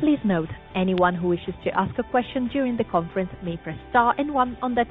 Please note anyone who wishes to ask a question during the conference may press star and one on their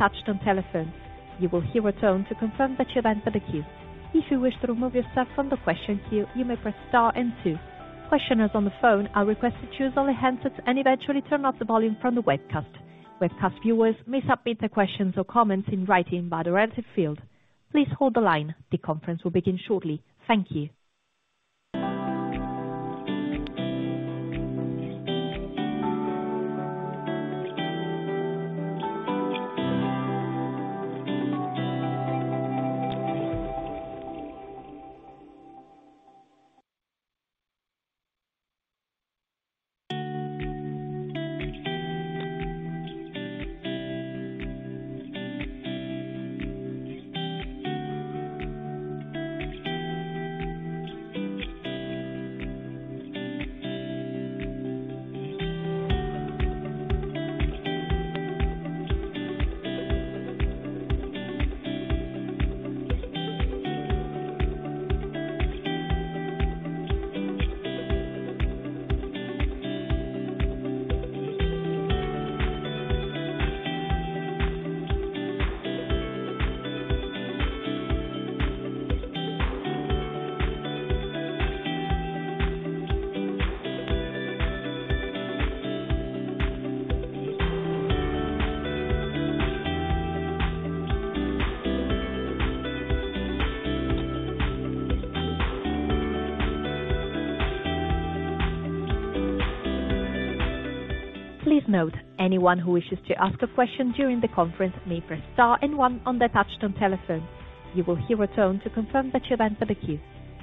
touch tone telephone. You will hear a tone to confirm that you've entered the queue.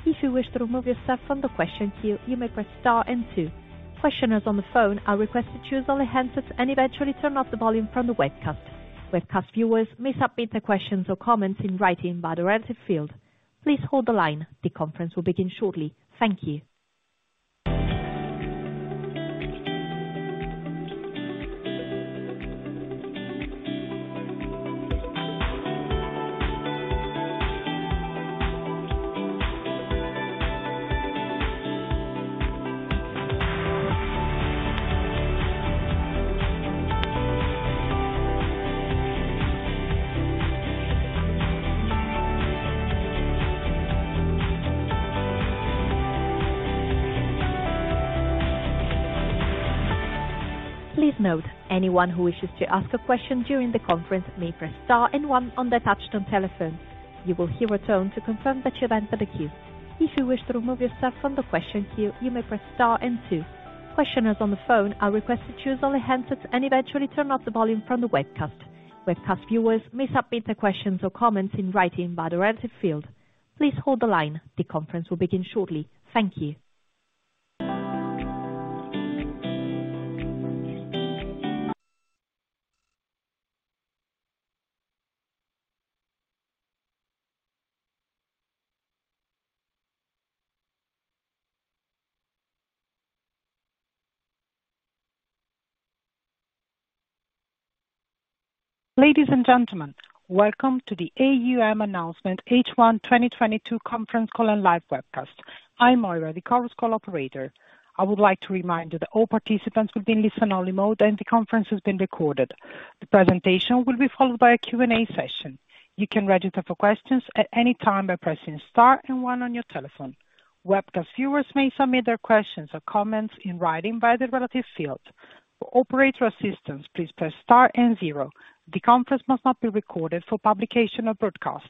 If you wish to remove yourself from the question queue, you may press star and two. Questioners on the phone are requested to use only handsets and eventually turn off the volume from the webcast. Webcast viewers may submit their questions or comments in writing by the relevant field. Please hold the line. The conference will begin shortly. Thank you. Ladies and gentlemen, welcome to the AUM Announcement H1 2022 conference call and live webcast. I'm Moira, the Chorus Call operator. I would like to remind you that all participants will be in listen-only mode and the conference is being recorded. The presentation will be followed by a Q&A session. You can register for questions at any time by pressing star and one on your telephone. Webcast viewers may submit their questions or comments in writing via the relevant field. For operator assistance, please press star and zero. The conference must not be recorded for publication or broadcast.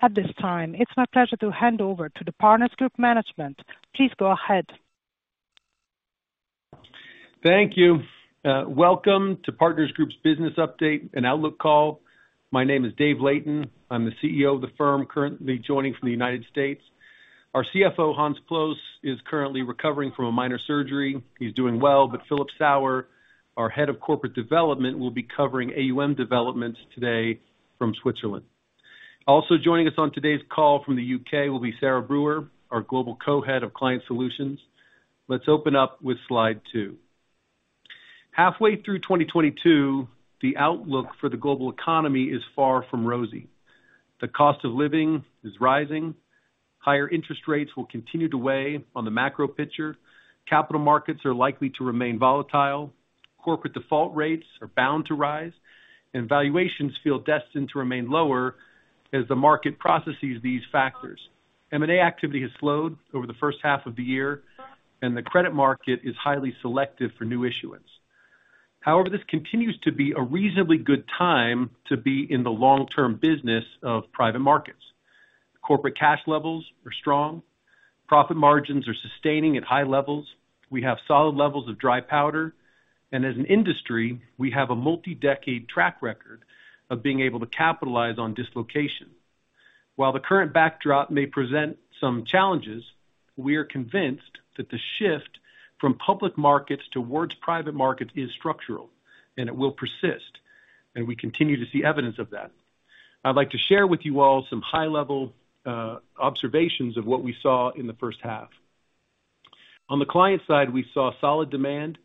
At this time, it's my pleasure to hand over to the Partners Group management. Please go ahead. Thank you. Welcome to Partners Group's business update and outlook call. My name is David Layton. I'm the CEO of the firm, currently joining from the United States. Our CFO, Joris Gröflin, is currently recovering from a minor surgery. He's doing well, but Philip Sauer, our Head of Corporate Development, will be covering AUM developments today from Switzerland. Also joining us on today's call from the UK will be Sarah Brewer, our Global Co-Head of Client Solutions. Let's open up with slide 2. Halfway through 2022, the outlook for the global economy is far from rosy. The cost of living is rising. Higher interest rates will continue to weigh on the macro picture. Capital markets are likely to remain volatile. Corporate default rates are bound to rise, and valuations feel destined to remain lower as the market processes these factors. M&A activity has slowed over the first half of the year, and the credit market is highly selective for new issuance. However, this continues to be a reasonably good time to be in the long-term business of private markets. Corporate cash levels are strong. Profit margins are sustaining at high levels. We have solid levels of dry powder, and as an industry, we have a multi-decade track record of being able to capitalize on dislocation. While the current backdrop may present some challenges, we are convinced that the shift from public markets towards private markets is structural, and it will persist, and we continue to see evidence of that. I'd like to share with you all some high-level observations of what we saw in the first half. On the client side, we saw solid demand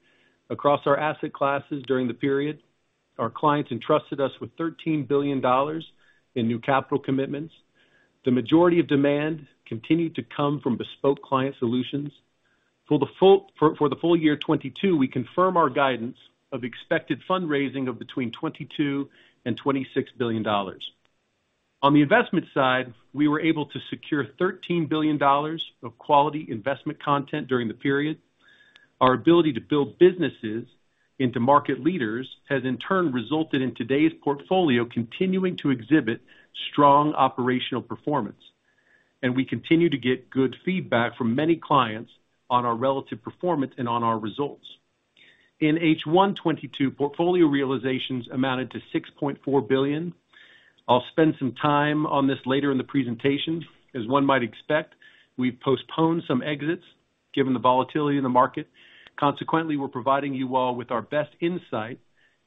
across our asset classes during the period. Our clients entrusted us with $13 billion in new capital commitments. The majority of demand continued to come from bespoke client solutions. For the full year 2022, we confirm our guidance of expected fundraising of between $22 billion and $26 billion. On the investment side, we were able to secure $13 billion of quality investment content during the period. Our ability to build businesses into market leaders has in turn resulted in today's portfolio continuing to exhibit strong operational performance, and we continue to get good feedback from many clients on our relative performance and on our results. In H1 2022, portfolio realizations amounted to $6.4 billion. I'll spend some time on this later in the presentation. As one might expect, we've postponed some exits given the volatility in the market. Consequently, we're providing you all with our best insight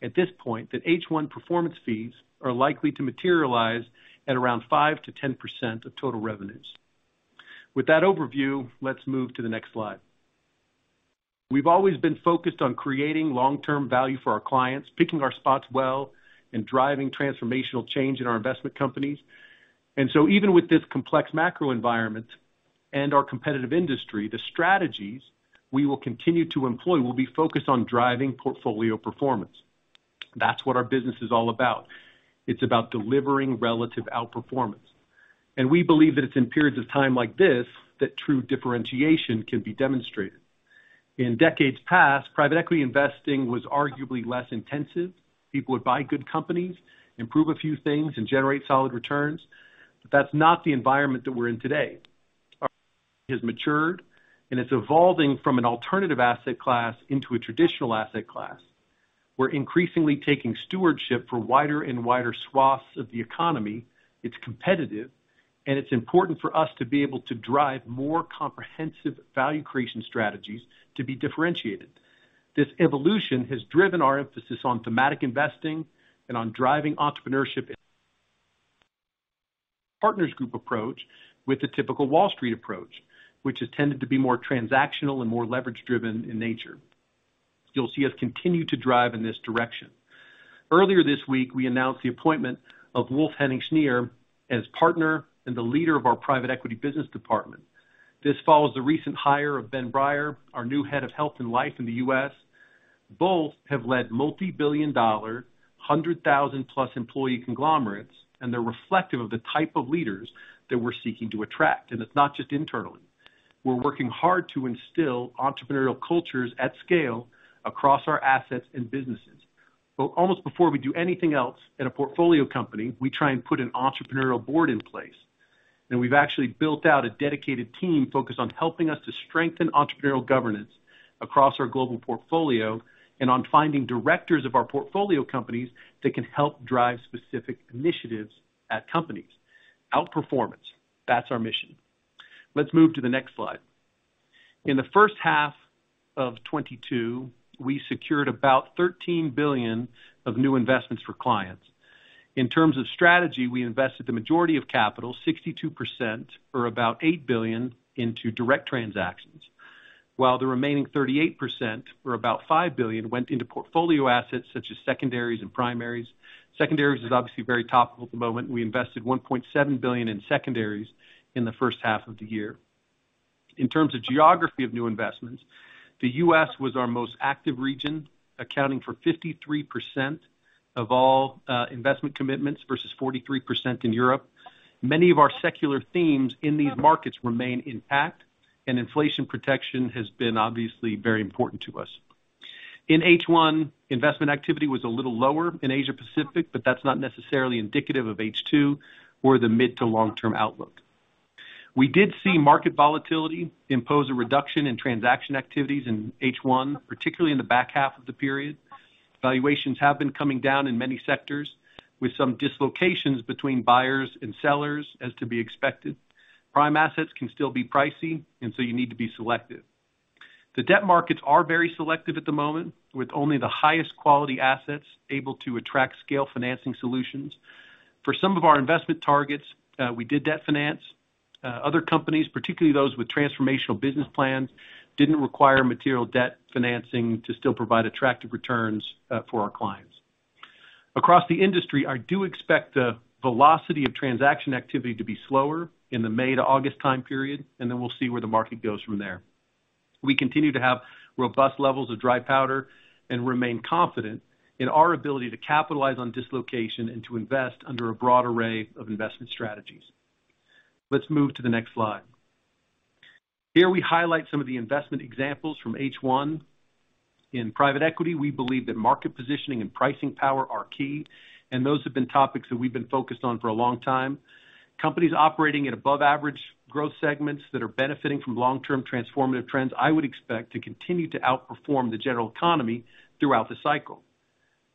at this point that H1 performance fees are likely to materialize at around 5%-10% of total revenues. With that overview, let's move to the next slide. We've always been focused on creating long-term value for our clients, picking our spots well, and driving transformational change in our investment companies. Even with this complex macro environment and our competitive industry, the strategies we will continue to employ will be focused on driving portfolio performance. That's what our business is all about. It's about delivering relative outperformance. We believe that it's in periods of time like this that true differentiation can be demonstrated. In decades past, private equity investing was arguably less intensive. People would buy good companies, improve a few things, and generate solid returns. That's not the environment that we're in today. Our industry has matured, and it's evolving from an alternative asset class into a traditional asset class. We're increasingly taking stewardship for wider and wider swaths of the economy. It's competitive, and it's important for us to be able to drive more comprehensive value creation strategies to be differentiated. This evolution has driven our emphasis on thematic investing and on driving entrepreneurship in Partners Group approach with the typical Wall Street approach, which has tended to be more transactional and more leverage driven in nature. You'll see us continue to drive in this direction. Earlier this week, we announced the appointment of Wolf-Henning Scheider as partner and the leader of our private equity business department. This follows the recent hire of Ben Breier, our new head of health and life in the U.S. Both have led multi-billion-dollar, 100,000+ employee conglomerates, and they're reflective of the type of leaders that we're seeking to attract, and it's not just internally. We're working hard to instill entrepreneurial cultures at scale across our assets and businesses. Almost before we do anything else in a portfolio company, we try and put an entrepreneurial board in place. We've actually built out a dedicated team focused on helping us to strengthen entrepreneurial governance across our global portfolio and on finding directors of our portfolio companies that can help drive specific initiatives at companies. Outperformance, that's our mission. Let's move to the next slide. In the first half of 2022, we secured about $13 billion of new investments for clients. In terms of strategy, we invested the majority of capital, 62% or about $8 billion, into direct transactions, while the remaining 38%, or about $5 billion, went into portfolio assets such as secondaries and primaries. Secondaries is obviously very topical at the moment. We invested $1.7 billion in secondaries in the first half of the year. In terms of geography of new investments, the U.S. was our most active region, accounting for 53% of all investment commitments versus 43% in Europe. Many of our secular themes in these markets remain intact, and inflation protection has been obviously very important to us. In H1, investment activity was a little lower in Asia-Pacific, but that's not necessarily indicative of H2 or the mid to long-term outlook. We did see market volatility impose a reduction in transaction activities in H1, particularly in the back half of the period. Valuations have been coming down in many sectors, with some dislocations between buyers and sellers, as to be expected. Prime assets can still be pricey, and so you need to be selective. The debt markets are very selective at the moment, with only the highest quality assets able to attract scale financing solutions. For some of our investment targets, we did debt finance. Other companies, particularly those with transformational business plans, didn't require material debt financing to still provide attractive returns for our clients. Across the industry, I do expect the velocity of transaction activity to be slower in the May to August time period, and then we'll see where the market goes from there. We continue to have robust levels of dry powder and remain confident in our ability to capitalize on dislocation and to invest under a broad array of investment strategies. Let's move to the next slide. Here we highlight some of the investment examples from H1. In private equity, we believe that market positioning and pricing power are key, and those have been topics that we've been focused on for a long time. Companies operating at above average growth segments that are benefiting from long-term transformative trends. I would expect to continue to outperform the general economy throughout the cycle.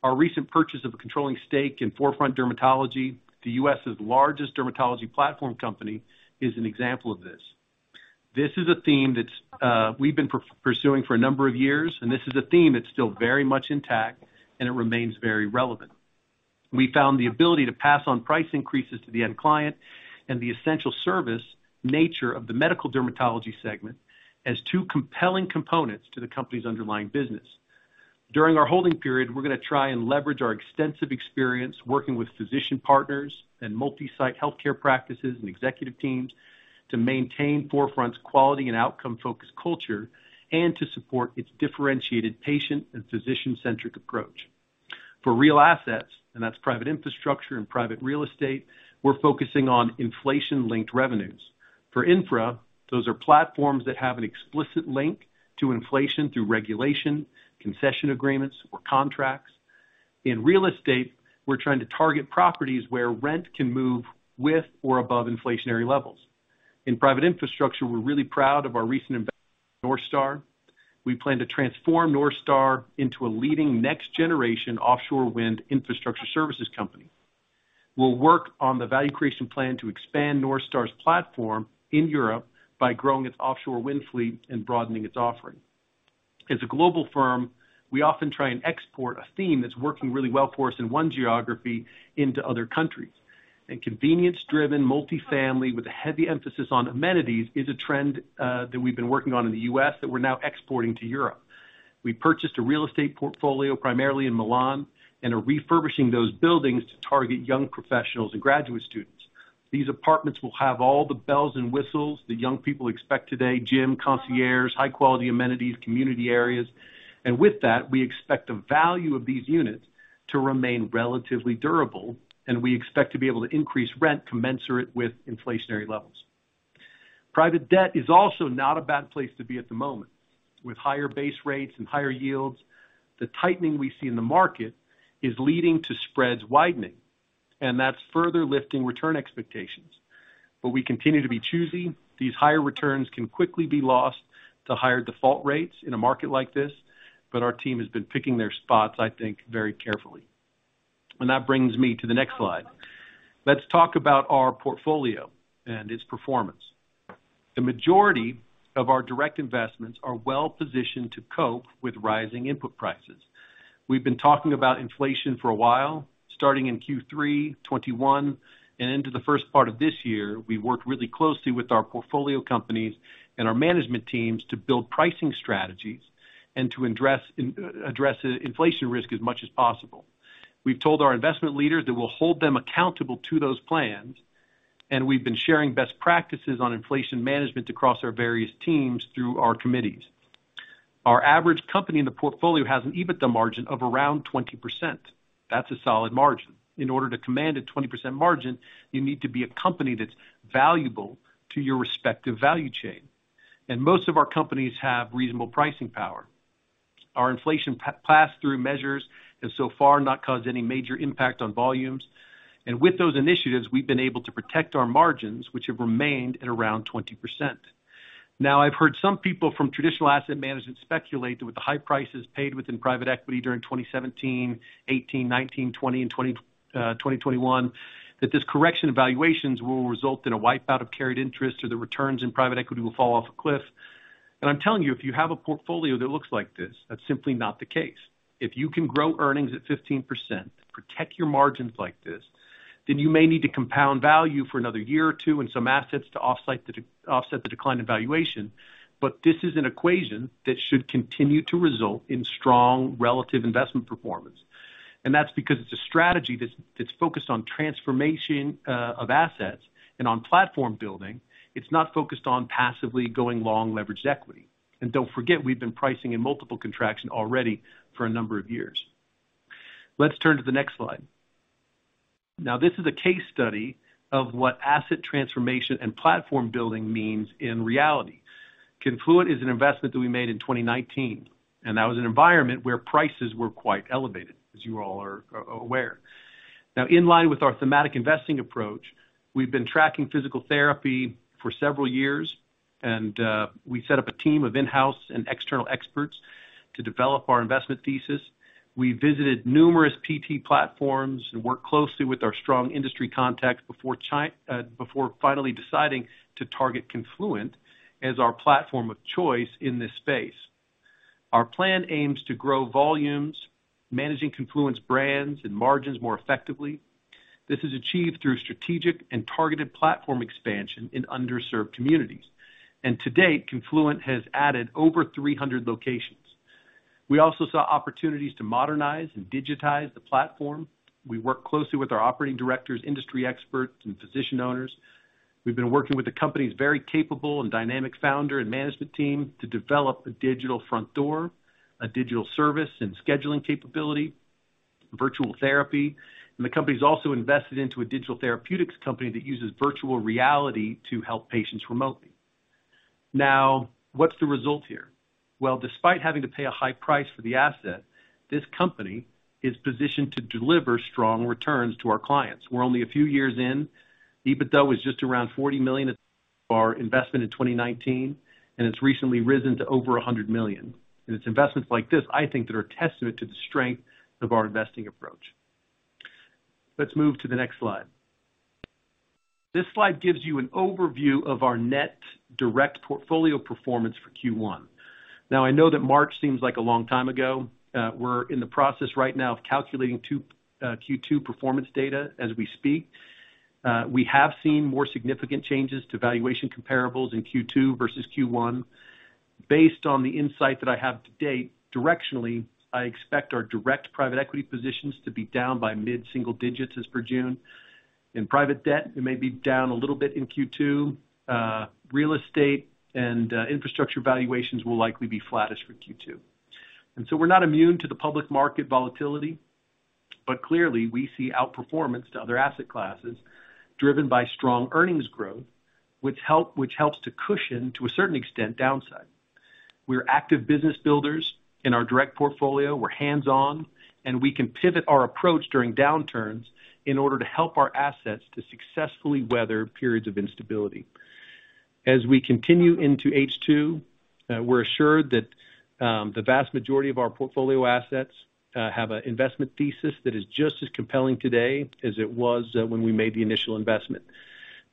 Our recent purchase of a controlling stake in Forefront Dermatology, the U.S.'s largest dermatology platform company, is an example of this. This is a theme that's we've been pursuing for a number of years, and this is a theme that's still very much intact and it remains very relevant. We found the ability to pass on price increases to the end client and the essential service nature of the medical dermatology segment as two compelling components to the company's underlying business. During our holding period, we're gonna try and leverage our extensive experience working with physician partners and multi-site healthcare practices and executive teams to maintain Forefront's quality and outcome-focused culture and to support its differentiated patient and physician-centric approach. For real assets, and that's private infrastructure and private real estate, we're focusing on inflation-linked revenues. For infra, those are platforms that have an explicit link to inflation through regulation, concession agreements or contracts. In real estate, we're trying to target properties where rent can move with or above inflationary levels. In private infrastructure, we're really proud of our recent investment in North Star. We plan to transform North Star into a leading next generation offshore wind infrastructure services company. We'll work on the value creation plan to expand North Star's platform in Europe by growing its offshore wind fleet and broadening its offering. As a global firm, we often try and export a theme that's working really well for us in one geography into other countries. Convenience-driven multifamily with a heavy emphasis on amenities is a trend that we've been working on in the US that we're now exporting to Europe. We purchased a real estate portfolio primarily in Milan and are refurbishing those buildings to target young professionals and graduate students. These apartments will have all the bells and whistles that young people expect today, gym, concierge, high-quality amenities, community areas. With that, we expect the value of these units to remain relatively durable, and we expect to be able to increase rent commensurate with inflationary levels. Private debt is also not a bad place to be at the moment. With higher base rates and higher yields, the tightening we see in the market is leading to spreads widening, and that's further lifting return expectations. We continue to be choosy. These higher returns can quickly be lost to higher default rates in a market like this, but our team has been picking their spots, I think, very carefully. That brings me to the next slide. Let's talk about our portfolio and its performance. The majority of our direct investments are well-positioned to cope with rising input prices. We've been talking about inflation for a while, starting in Q3 2021 and into the first part of this year. We worked really closely with our portfolio companies and our management teams to build pricing strategies and to address inflation risk as much as possible. We've told our investment leaders that we'll hold them accountable to those plans, and we've been sharing best practices on inflation management across our various teams through our committees. Our average company in the portfolio has an EBITDA margin of around 20%. That's a solid margin. In order to command a 20% margin, you need to be a company that's valuable to your respective value chain. Most of our companies have reasonable pricing power. Our inflation pass-through measures have so far not caused any major impact on volumes. With those initiatives, we've been able to protect our margins, which have remained at around 20%. Now, I've heard some people from traditional asset management speculate that with the high prices paid within private equity during 2017, 2018, 2019, 2020, and 2021, that this correction evaluations will result in a wipe out of carried interest or the returns in private equity will fall off a cliff. I'm telling you, if you have a portfolio that looks like this, that's simply not the case. If you can grow earnings at 15%, protect your margins like this, then you may need to compound value for another year or two and some assets to offset the decline in valuation. This is an equation that should continue to result in strong relative investment performance. That's because it's a strategy that's focused on transformation of assets and on platform building. It's not focused on passively going long leveraged equity. Don't forget, we've been pricing in multiple contraction already for a number of years. Let's turn to the next slide. Now, this is a case study of what asset transformation and platform building means in reality. Confluent is an investment that we made in 2019, and that was an environment where prices were quite elevated, as you all are aware. Now, in line with our thematic investing approach, we've been tracking physical therapy for several years, and we set up a team of in-house and external experts to develop our investment thesis. We visited numerous PT platforms and worked closely with our strong industry contacts before finally deciding to target Confluent as our platform of choice in this space. Our plan aims to grow volumes, managing Confluent's brands and margins more effectively. This is achieved through strategic and targeted platform expansion in underserved communities. To date, Confluent has added over 300 locations. We also saw opportunities to modernize and digitize the platform. We work closely with our operating directors, industry experts, and physician owners. We've been working with the company's very capable and dynamic founder and management team to develop a digital front door, a digital service and scheduling capability, virtual therapy. The company's also invested into a digital therapeutics company that uses virtual reality to help patients remotely. Now, what's the result here? Well, despite having to pay a high price for the asset, this company is positioned to deliver strong returns to our clients. We're only a few years in. EBITDA was just around $40 million at our investment in 2019, and it's recently risen to over $100 million. It's investments like this, I think, that are testament to the strength of our investing approach. Let's move to the next slide. This slide gives you an overview of our net direct portfolio performance for Q1. Now, I know that March seems like a long time ago. We're in the process right now of calculating Q2 performance data as we speak. We have seen more significant changes to valuation comparables in Q2 versus Q1. Based on the insight that I have to date, directionally, I expect our direct private equity positions to be down by mid-single digits as per June. In private debt, we may be down a little bit in Q2. Real estate and infrastructure valuations will likely be flattest for Q2. We're not immune to the public market volatility, but clearly we see outperformance to other asset classes driven by strong earnings growth, which helps to cushion, to a certain extent, downside. We're active business builders in our direct portfolio. We're hands-on, and we can pivot our approach during downturns in order to help our assets to successfully weather periods of instability. As we continue into H2, we're assured that the vast majority of our portfolio assets have an investment thesis that is just as compelling today as it was when we made the initial investment.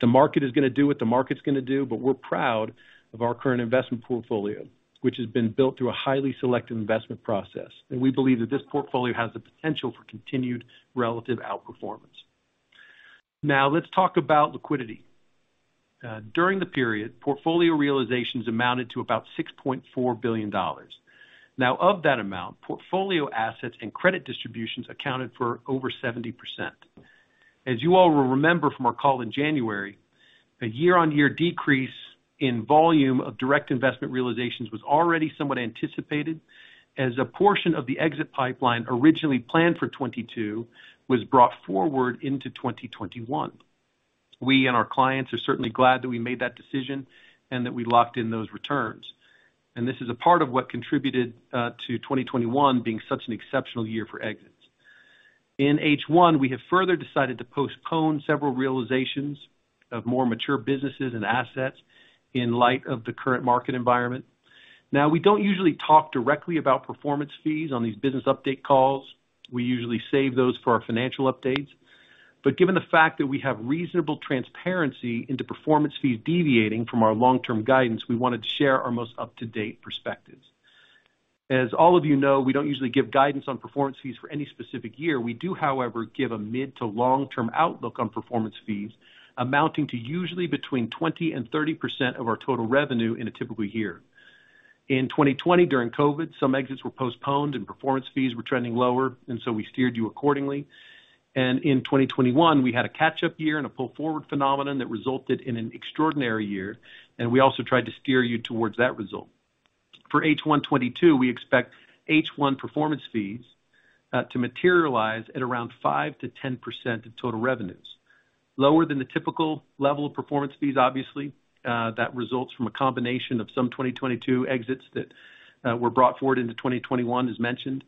The market is gonna do what the market's gonna do, but we're proud of our current investment portfolio, which has been built through a highly selective investment process. We believe that this portfolio has the potential for continued relative outperformance. Now, let's talk about liquidity. During the period, portfolio realizations amounted to about $6.4 billion. Now, of that amount, portfolio assets and credit distributions accounted for over 70%. As you all will remember from our call in January, a year-on-year decrease in volume of direct investment realizations was already somewhat anticipated, as a portion of the exit pipeline originally planned for 2022 was brought forward into 2021. We and our clients are certainly glad that we made that decision and that we locked in those returns. This is a part of what contributed to 2021 being such an exceptional year for exits. In H1, we have further decided to postpone several realizations of more mature businesses and assets in light of the current market environment. Now, we don't usually talk directly about performance fees on these business update calls. We usually save those for our financial updates. Given the fact that we have reasonable transparency into performance fees deviating from our long-term guidance, we wanted to share our most up-to-date perspectives. As all of you know, we don't usually give guidance on performance fees for any specific year. We do, however, give a mid to long-term outlook on performance fees amounting to usually between 20% and 30% of our total revenue in a typical year. In 2020, during COVID, some exits were postponed and performance fees were trending lower, and so we steered you accordingly. In 2021, we had a catch-up year and a pull-forward phenomenon that resulted in an extraordinary year, and we also tried to steer you towards that result. For H1 2022, we expect H1 performance fees to materialize at around 5%-10% of total revenues. Lower than the typical level of performance fees, obviously. That results from a combination of some 2022 exits that were brought forward into 2021, as mentioned,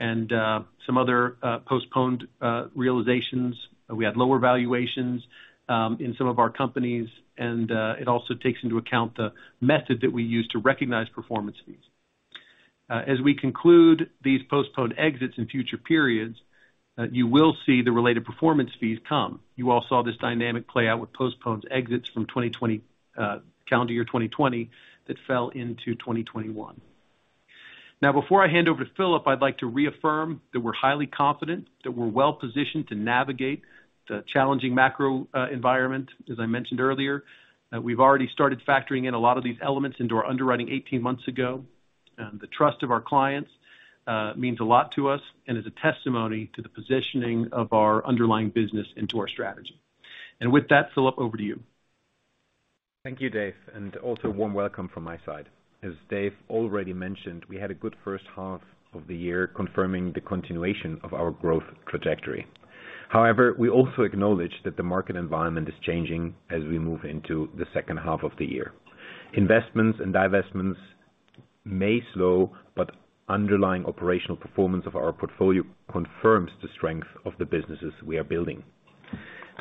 and some other postponed realizations. We had lower valuations in some of our companies, and it also takes into account the method that we use to recognize performance fees. As we conclude these postponed exits in future periods, you will see the related performance fees come. You all saw this dynamic play out with postponed exits from calendar year 2020 that fell into 2021. Now, before I hand over to Philip, I'd like to reaffirm that we're highly confident, that we're well positioned to navigate the challenging macro environment, as I mentioned earlier. We've already started factoring in a lot of these elements into our underwriting 18 months ago. The trust of our clients means a lot to us and is a testimony to the positioning of our underlying business into our strategy. With that, Philip, over to you. Thank you, Dave, and also a warm welcome from my side. As Dave already mentioned, we had a good first half of the year confirming the continuation of our growth trajectory. However, we also acknowledge that the market environment is changing as we move into the second half of the year. Investments and divestments may slow, but underlying operational performance of our portfolio confirms the strength of the businesses we are building.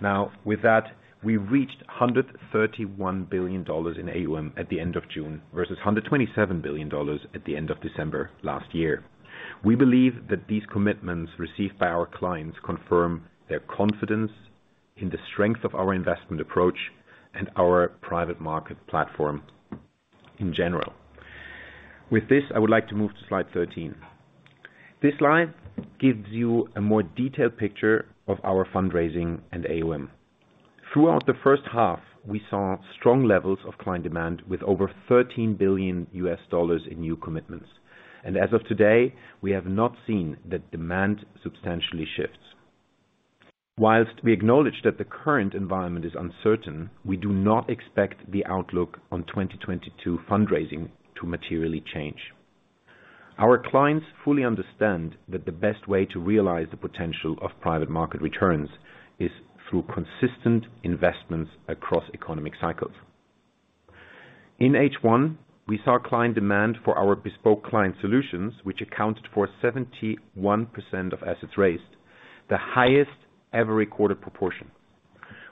Now, with that, we reached $131 billion in AUM at the end of June, versus $127 billion at the end of December last year. We believe that these commitments received by our clients confirm their confidence in the strength of our investment approach and our private market platform in general. With this, I would like to move to slide 13. This slide gives you a more detailed picture of our fundraising and AUM. Throughout the first half, we saw strong levels of client demand with over $13 billion in new commitments. As of today, we have not seen that demand substantially shift. While we acknowledge that the current environment is uncertain, we do not expect the outlook on 2022 fundraising to materially change. Our clients fully understand that the best way to realize the potential of private market returns is through consistent investments across economic cycles. In H1, we saw client demand for our bespoke client solutions, which accounted for 71% of assets raised, the highest ever recorded proportion.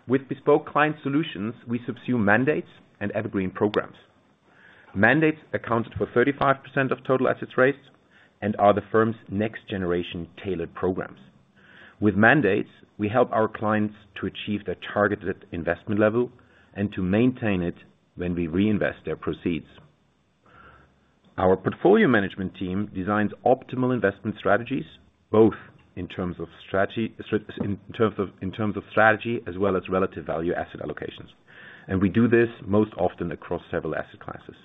With bespoke client solutions, we subsume mandates and evergreen programs. Mandates accounted for 35% of total assets raised and are the firm's next generation tailored programs. With mandates, we help our clients to achieve their targeted investment level and to maintain it when we reinvest their proceeds. Our portfolio management team designs optimal investment strategies, both in terms of strategy as well as relative value asset allocations. We do this most often across several asset classes.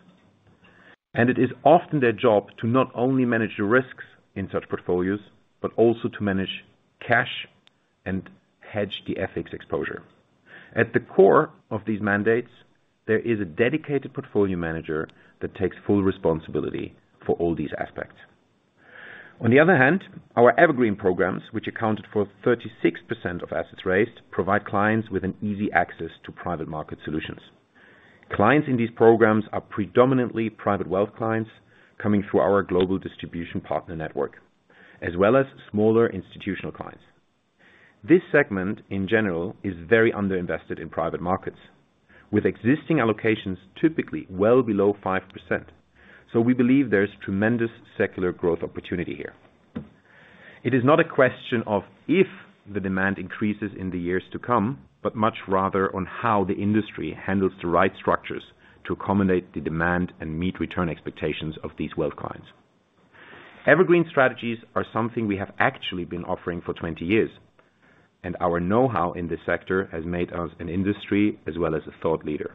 It is often their job to not only manage the risks in such portfolios, but also to manage cash and hedge the FX exposure. At the core of these mandates, there is a dedicated portfolio manager that takes full responsibility for all these aspects. On the other hand, our evergreen programs, which accounted for 36% of assets raised, provide clients with an easy access to private market solutions. Clients in these programs are predominantly private wealth clients coming through our global distribution partner network, as well as smaller institutional clients. This segment, in general, is very under-invested in private markets, with existing allocations typically well below 5%. We believe there's tremendous secular growth opportunity here. It is not a question of if the demand increases in the years to come, but much rather on how the industry handles the right structures to accommodate the demand and meet return expectations of these wealth clients. Evergreen strategies are something we have actually been offering for 20 years, and our know-how in this sector has made us an industry as well as a thought leader.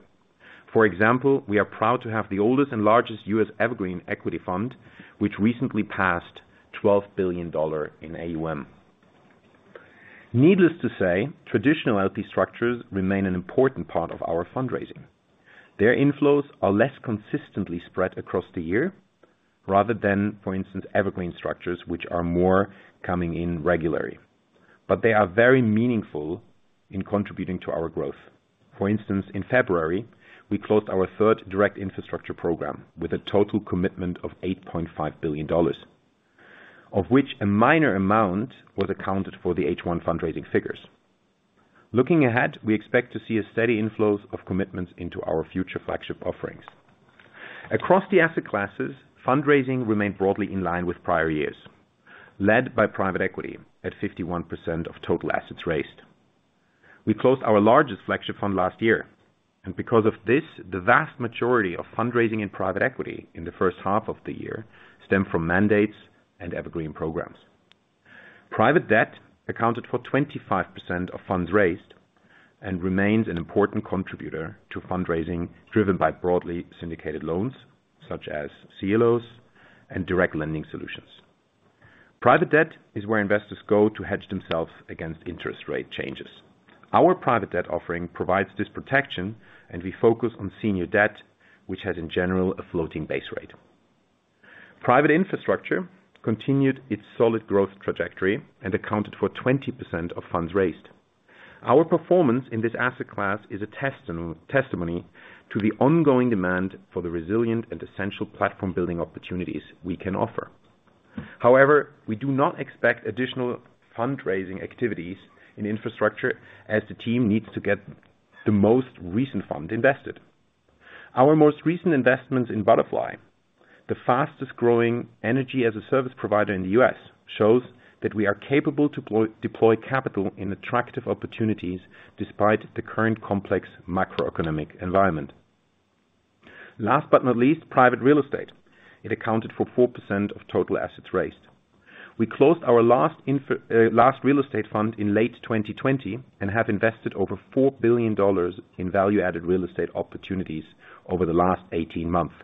For example, we are proud to have the oldest and largest U.S. Evergreen equity fund, which recently passed $12 billion in AUM. Needless to say, traditional LP structures remain an important part of our fundraising. Their inflows are less consistently spread across the year rather than, for instance, evergreen structures, which are more coming in regularly. They are very meaningful in contributing to our growth. For instance, in February, we closed our third direct infrastructure program with a total commitment of $8.5 billion, of which a minor amount was accounted for the H1 fundraising figures. Looking ahead, we expect to see a steady inflows of commitments into our future flagship offerings. Across the asset classes, fundraising remained broadly in line with prior years, led by private equity at 51% of total assets raised. We closed our largest flagship fund last year, and because of this, the vast majority of fundraising in private equity in the first half of the year stemmed from mandates and evergreen programs. Private debt accounted for 25% of funds raised and remains an important contributor to fundraising, driven by broadly syndicated loans such as CLOs and direct lending solutions. Private debt is where investors go to hedge themselves against interest rate changes. Our private debt offering provides this protection, and we focus on senior debt, which has, in general, a floating base rate. Private infrastructure continued its solid growth trajectory and accounted for 20% of funds raised. Our performance in this asset class is a testimony to the ongoing demand for the resilient and essential platform building opportunities we can offer. However, we do not expect additional fundraising activities in infrastructure as the team needs to get the most recent fund invested. Our most recent investments in Budderfly, the fastest-growing energy-as-a-service provider in the U.S., shows that we are capable to deploy capital in attractive opportunities despite the current complex macroeconomic environment. Last but not least, private real estate. It accounted for 4% of total assets raised. We closed our last real estate fund in late 2020 and have invested over $4 billion in value-added real estate opportunities over the last 18 months,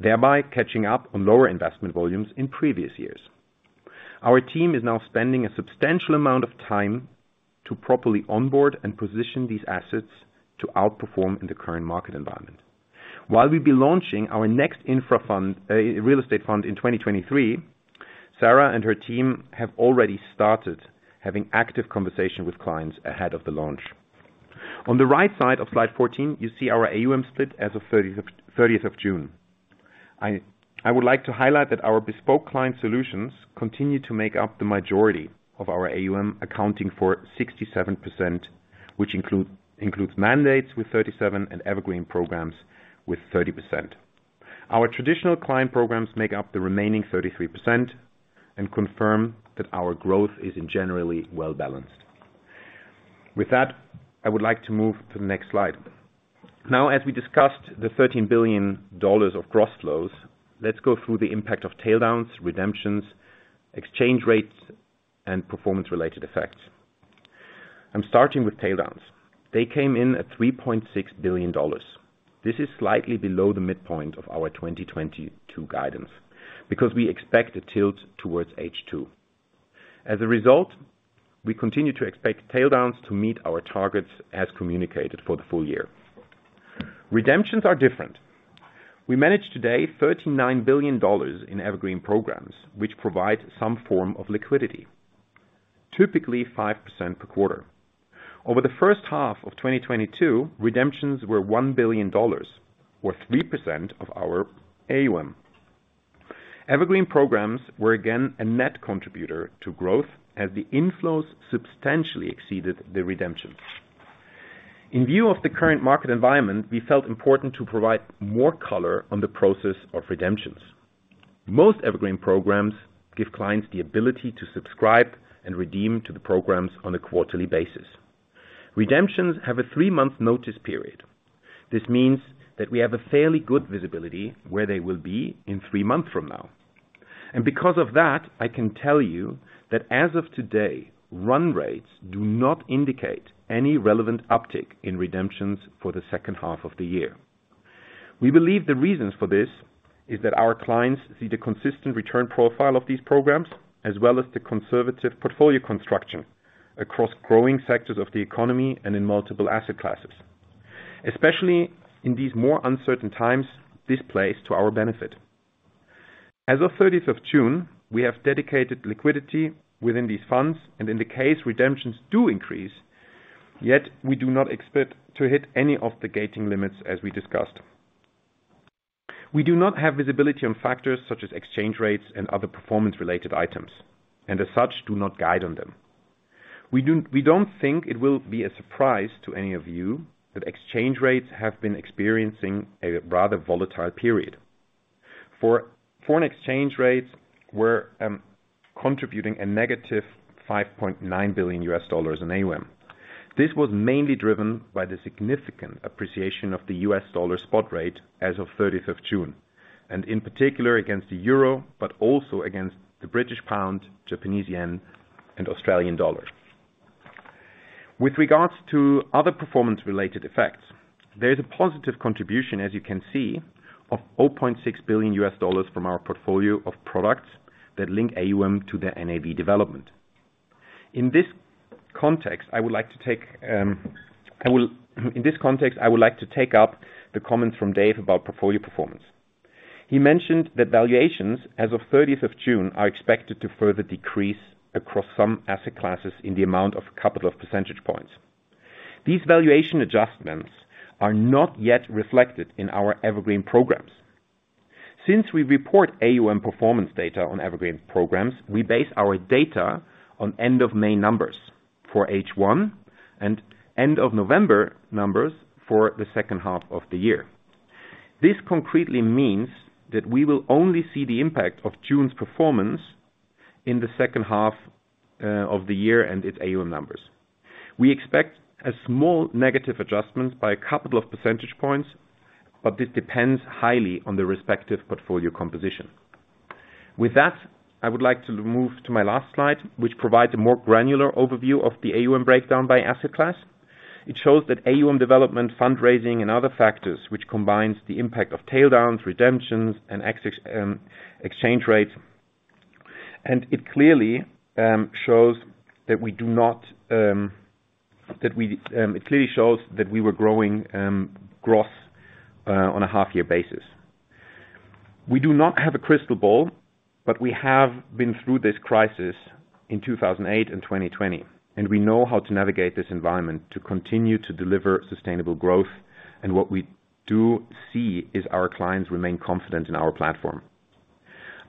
thereby catching up on lower investment volumes in previous years. Our team is now spending a substantial amount of time to properly onboard and position these assets to outperform in the current market environment. While we'll be launching our next real estate fund in 2023, Sarah and her team have already started having active conversation with clients ahead of the launch. On the right side of slide 14, you see our AUM split as of 30th of June. I would like to highlight that our bespoke client solutions continue to make up the majority of our AUM accounting for 67%, which include mandates with 37% and evergreen programs with 30%. Our traditional client programs make up the remaining 33% and confirm that our growth is generally well-balanced. With that, I would like to move to the next slide. Now, as we discussed the $13 billion of gross flows, let's go through the impact of drawdowns, redemptions, exchange rates, and performance-related effects. I'm starting with drawdowns. They came in at $3.6 billion. This is slightly below the midpoint of our 2022 guidance because we expect a tilt towards H2. As a result, we continue to expect tailwinds to meet our targets as communicated for the full year. Redemptions are different. We manage today $39 billion in evergreen programs, which provide some form of liquidity, typically 5% per quarter. Over the first half of 2022, redemptions were $1 billion, or 3% of our AUM. Evergreen programs were again a net contributor to growth as the inflows substantially exceeded the redemption. In view of the current market environment, we felt it important to provide more color on the process of redemptions. Most evergreen programs give clients the ability to subscribe and redeem to the programs on a quarterly basis. Redemptions have a three-month notice period. This means that we have a fairly good visibility where they will be in three months from now. Because of that, I can tell you that as of today, run rates do not indicate any relevant uptick in redemptions for the second half of the year. We believe the reasons for this is that our clients see the consistent return profile of these programs, as well as the conservative portfolio construction across growing sectors of the economy and in multiple asset classes. Especially in these more uncertain times, this plays to our benefit. As of 30th of June, we have dedicated liquidity within these funds and in the case redemptions do increase, yet we do not expect to hit any of the gating limits as we discussed. We do not have visibility on factors such as exchange rates and other performance-related items, and as such, do not guide on them. We don't think it will be a surprise to any of you that exchange rates have been experiencing a rather volatile period. For foreign exchange rates, we're contributing a negative $5.9 billion in AUM. This was mainly driven by the significant appreciation of the US dollar spot rate as of 30th of June, and in particular against the euro, but also against the British pound, Japanese yen, and Australian dollar. With regards to other performance-related effects, there is a positive contribution, as you can see, of $4.6 billion from our portfolio of products that link AUM to their NAV development. In this context, I would like to take up the comment from Dave about portfolio performance. He mentioned that valuations as of thirtieth of June are expected to further decrease across some asset classes in the amount of a couple of percentage points. These valuation adjustments are not yet reflected in our Evergreen programs. Since we report AUM performance data on Evergreen programs, we base our data on end of May numbers for H1 and end of November numbers for the second half of the year. This concretely means that we will only see the impact of June's performance in the second half of the year and its AUM numbers. We expect a small negative adjustment by a couple of percentage points, but this depends highly on the respective portfolio composition. With that, I would like to move to my last slide, which provides a more granular overview of the AUM breakdown by asset class. It shows that AUM development, fundraising and other factors which combines the impact of tailwinds, redemptions, and exchange rates. It clearly shows that we were growing on a half-year basis. We do not have a crystal ball, but we have been through this crisis in 2008 and 2020, and we know how to navigate this environment to continue to deliver sustainable growth. What we do see is our clients remain confident in our platform.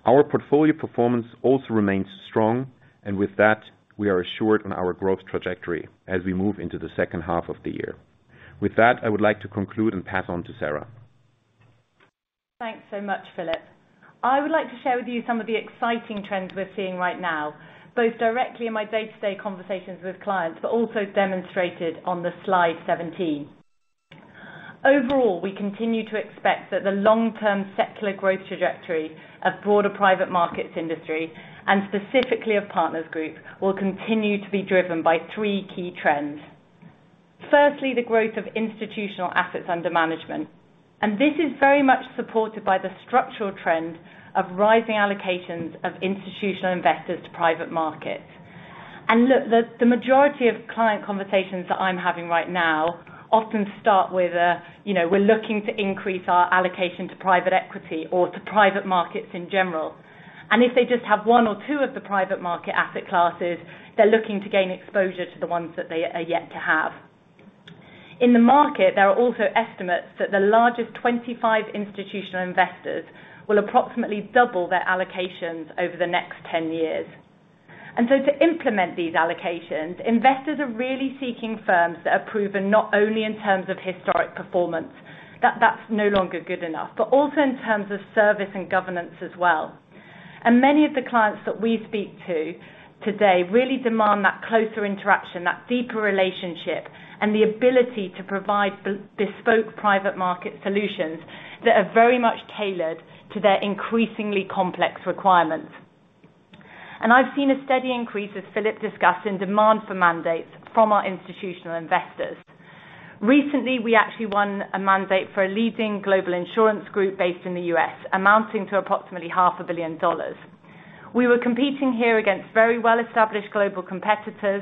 Our portfolio performance also remains strong, and with that, we are assured on our growth trajectory as we move into the second half of the year. With that, I would like to conclude and pass on to Sarah. Thanks so much, Philip. I would like to share with you some of the exciting trends we're seeing right now, both directly in my day-to-day conversations with clients, but also demonstrated on the slide 17. Overall, we continue to expect that the long-term secular growth trajectory of broader private markets industry, and specifically of Partners Group, will continue to be driven by three key trends. Firstly, the growth of institutional assets under management. This is very much supported by the structural trends of rising allocations of institutional investors to private markets. Look, the majority of client conversations that I'm having right now often start with a, you know, we're looking to increase our allocation to private equity or to private markets in general. If they just have one or two of the private market asset classes, they're looking to gain exposure to the ones that they are yet to have. In the market, there are also estimates that the largest 25 institutional investors will approximately double their allocations over the next 10 years. To implement these allocations, investors are really seeking firms that are proven not only in terms of historic performance, that that's no longer good enough, but also in terms of service and governance as well. Many of the clients that we speak to today really demand that closer interaction, that deeper relationship, and the ability to provide bespoke private market solutions that are very much tailored to their increasingly complex requirements. I've seen a steady increase, as Philip discussed, in demand for mandates from our institutional investors. Recently, we actually won a mandate for a leading global insurance group based in the U.S., amounting to approximately half a billion dollars. We were competing here against very well-established global competitors,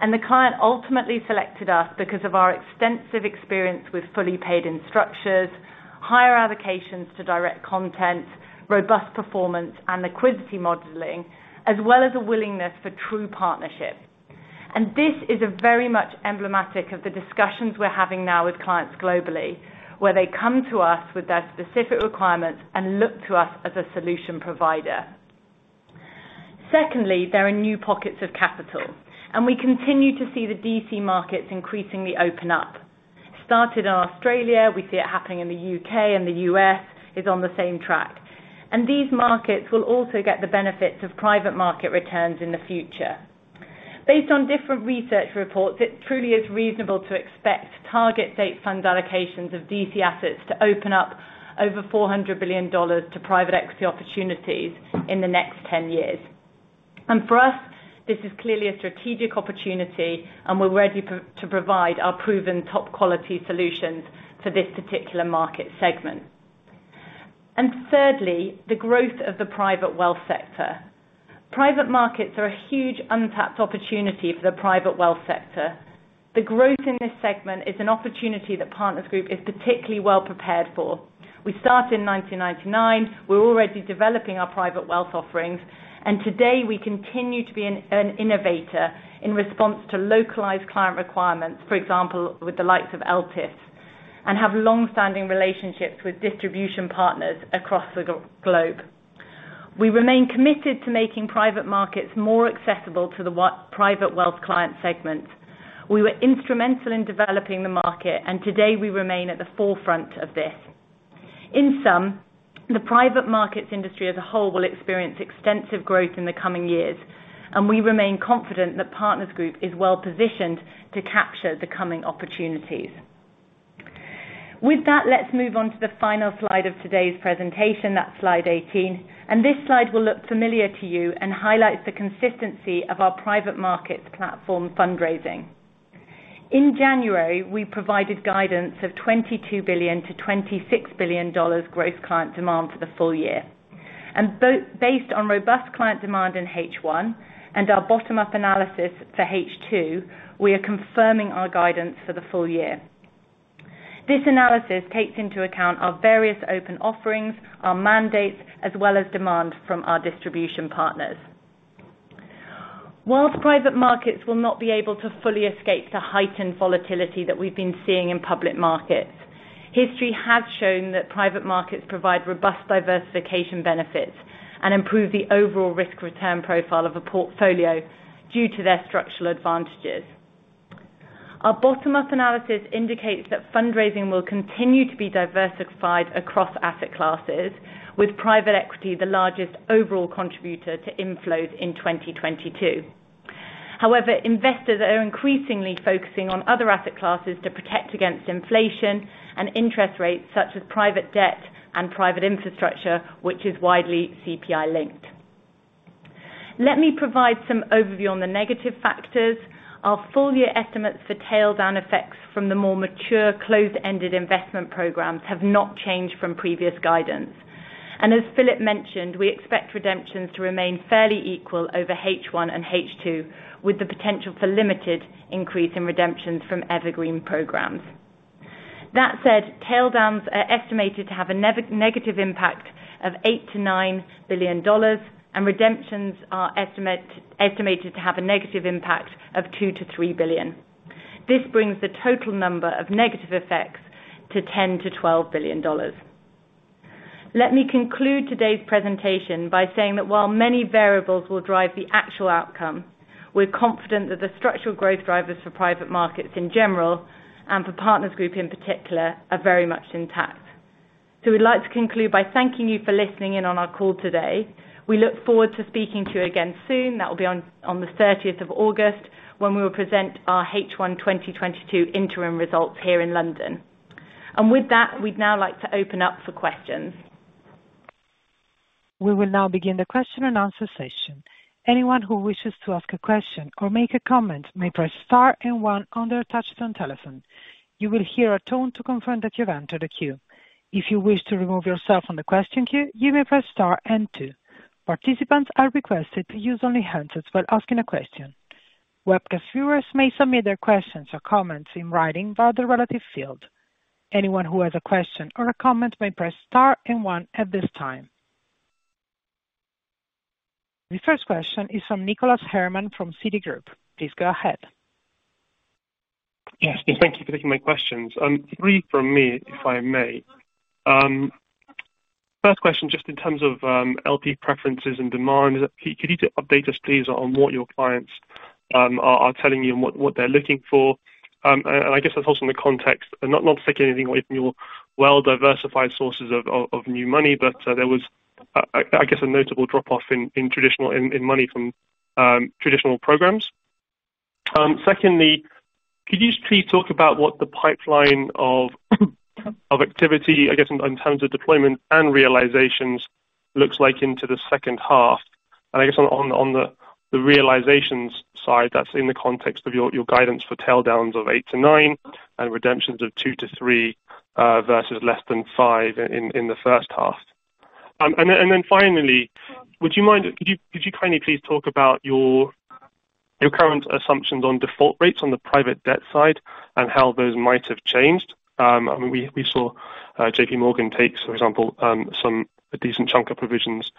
and the client ultimately selected us because of our extensive experience with fully paid-in investments, higher allocations to direct investments, robust performance and liquidity modeling, as well as a willingness for true partnership. This is very much emblematic of the discussions we're having now with clients globally, where they come to us with their specific requirements and look to us as a solution provider. Secondly, there are new pockets of capital, and we continue to see the DC markets increasingly open up. Started in Australia, we see it happening in the U.K., and the U.S. is on the same track. These markets will also get the benefits of private market returns in the future. Based on different research reports, it truly is reasonable to expect target date fund allocations of DC assets to open up over $400 billion to private equity opportunities in the next 10 years. For us, this is clearly a strategic opportunity, and we're ready to provide our proven top quality solutions to this particular market segment. Thirdly, the growth of the private wealth sector. Private markets are a huge untapped opportunity for the private wealth sector. The growth in this segment is an opportunity that Partners Group is particularly well prepared for. We started in 1999. We're already developing our private wealth offerings, and today we continue to be an innovator in response to localized client requirements, for example, with the likes of ELTIFs, and have long-standing relationships with distribution partners across the globe. We remain committed to making private markets more accessible to the private wealth client segment. We were instrumental in developing the market, and today we remain at the forefront of this. In sum, the private markets industry as a whole will experience extensive growth in the coming years, and we remain confident that Partners Group is well-positioned to capture the coming opportunities. With that, let's move on to the final slide of today's presentation. That's slide 18. This slide will look familiar to you and highlights the consistency of our private markets platform fundraising. In January, we provided guidance of $22 billion-$26 billion gross client demand for the full year. Based on robust client demand in H1 and our bottom-up analysis for H2, we are confirming our guidance for the full year. This analysis takes into account our various open offerings, our mandates, as well as demand from our distribution partners. While private markets will not be able to fully escape the heightened volatility that we've been seeing in public markets, history has shown that private markets provide robust diversification benefits and improve the overall risk-return profile of a portfolio due to their structural advantages. Our bottom-up analysis indicates that fundraising will continue to be diversified across asset classes, with private equity the largest overall contributor to inflows in 2022. However, investors are increasingly focusing on other asset classes to protect against inflation and interest rates such as private debt and private infrastructure, which is widely CPI linked. Let me provide some overview on the negative factors. Our full year estimates for drawdown effects from the more mature closed-ended investment programs have not changed from previous guidance. As Philip mentioned, we expect redemptions to remain fairly equal over H1 and H2 with the potential for limited increase in redemptions from evergreen programs. That said, tail downs are estimated to have a negative impact of $8 billion-$9 billion, and redemptions are estimated to have a negative impact of $2 billion-$3 billion. This brings the total number of negative effects to $10 billion-$12 billion. Let me conclude today's presentation by saying that while many variables will drive the actual outcome, we're confident that the structural growth drivers for private markets in general, and for Partners Group in particular, are very much intact. We'd like to conclude by thanking you for listening in on our call today. We look forward to speaking to you again soon. That will be on the thirtieth of August when we will present our H1 2022 interim results here in London. With that, we'd now like to open up for questions. We will now begin the question and answer session. Anyone who wishes to ask a question or make a comment may press star and one on their touch tone telephone. You will hear a tone to confirm that you've entered a queue. If you wish to remove yourself from the question queue, you may press star and two. Participants are requested to use only handsets while asking a question. Webcast viewers may submit their questions or comments in writing via the relevant field. Anyone who has a question or a comment may press star and one at this time. The first question is from Nicholas Herman from Citigroup. Please go ahead. Yes, thank you for taking my questions. Three from me, if I may. First question, just in terms of LP preferences and demand, could you update us please on what your clients are telling you and what they're looking for? I guess that's also in the context and not to take anything away from your well-diversified sources of new money, but there was, I guess, a notable drop-off in traditional money from traditional programs. Secondly, could you please talk about what the pipeline of activity, I guess, in terms of deployment and realizations looks like into the second half? I guess on the realizations side, that's in the context of your guidance for tailwinds of eight to nine and redemptions of two to three versus less than five in the first half. Finally, could you kindly please talk about your current assumptions on default rates on the private debt side and how those might have changed? We saw JPMorgan take, for example, a decent chunk of provisions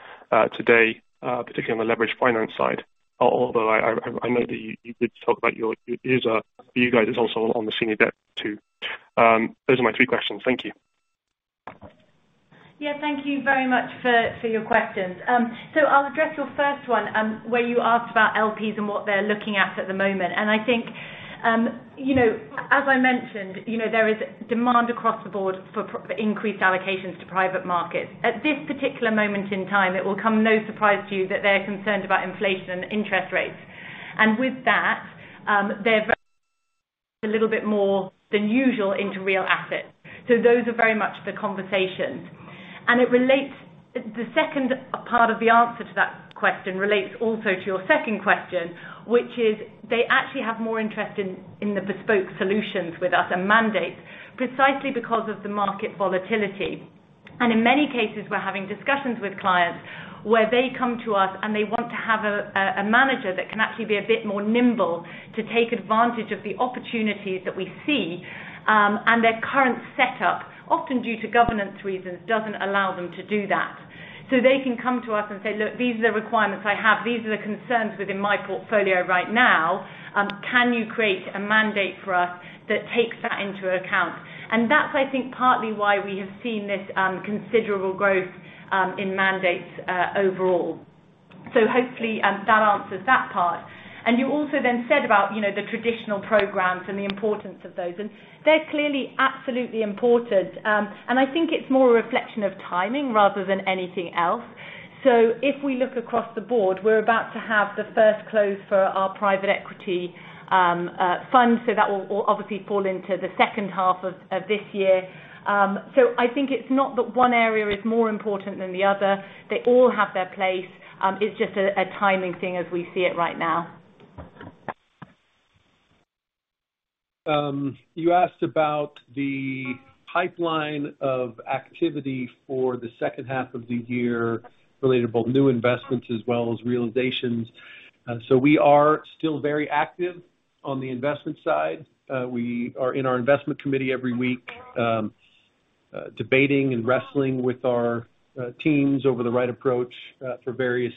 today, particularly on the leveraged finance side, although I know that you did talk about it's you guys also on the senior debt too. Those are my three questions. Thank you. Yeah, thank you very much for your questions. I'll address your first one, where you asked about LPs and what they're looking at the moment. I think, you know, as I mentioned, you know, there is demand across the board for increased allocations to private markets. At this particular moment in time, it will come no surprise to you that they're concerned about inflation and interest rates. With that, they're a little bit more than usual into real assets. Those are very much the conversations. It relates. The second part of the answer to that question relates also to your second question, which is they actually have more interest in the bespoke solutions with us and mandates, precisely because of the market volatility. In many cases, we're having discussions with clients where they come to us and they want to have a manager that can actually be a bit more nimble to take advantage of the opportunities that we see, and their current setup, often due to governance reasons, doesn't allow them to do that. They can come to us and say, "Look, these are the requirements I have. These are the concerns within my portfolio right now. Can you create a mandate for us that takes that into account?" That's, I think, partly why we have seen this considerable growth in mandates overall. Hopefully, that answers that part. You also then said about, you know, the traditional programs and the importance of those, and they're clearly absolutely important. I think it's more a reflection of timing rather than anything else. If we look across the board, we're about to have the first close for our private equity fund. That will obviously fall into the second half of this year. I think it's not that one area is more important than the other. They all have their place. It's just a timing thing as we see it right now. You asked about the pipeline of activity for the second half of the year related to both new investments as well as realizations. We are still very active on the investment side. We are in our investment committee every week, debating and wrestling with our teams over the right approach for various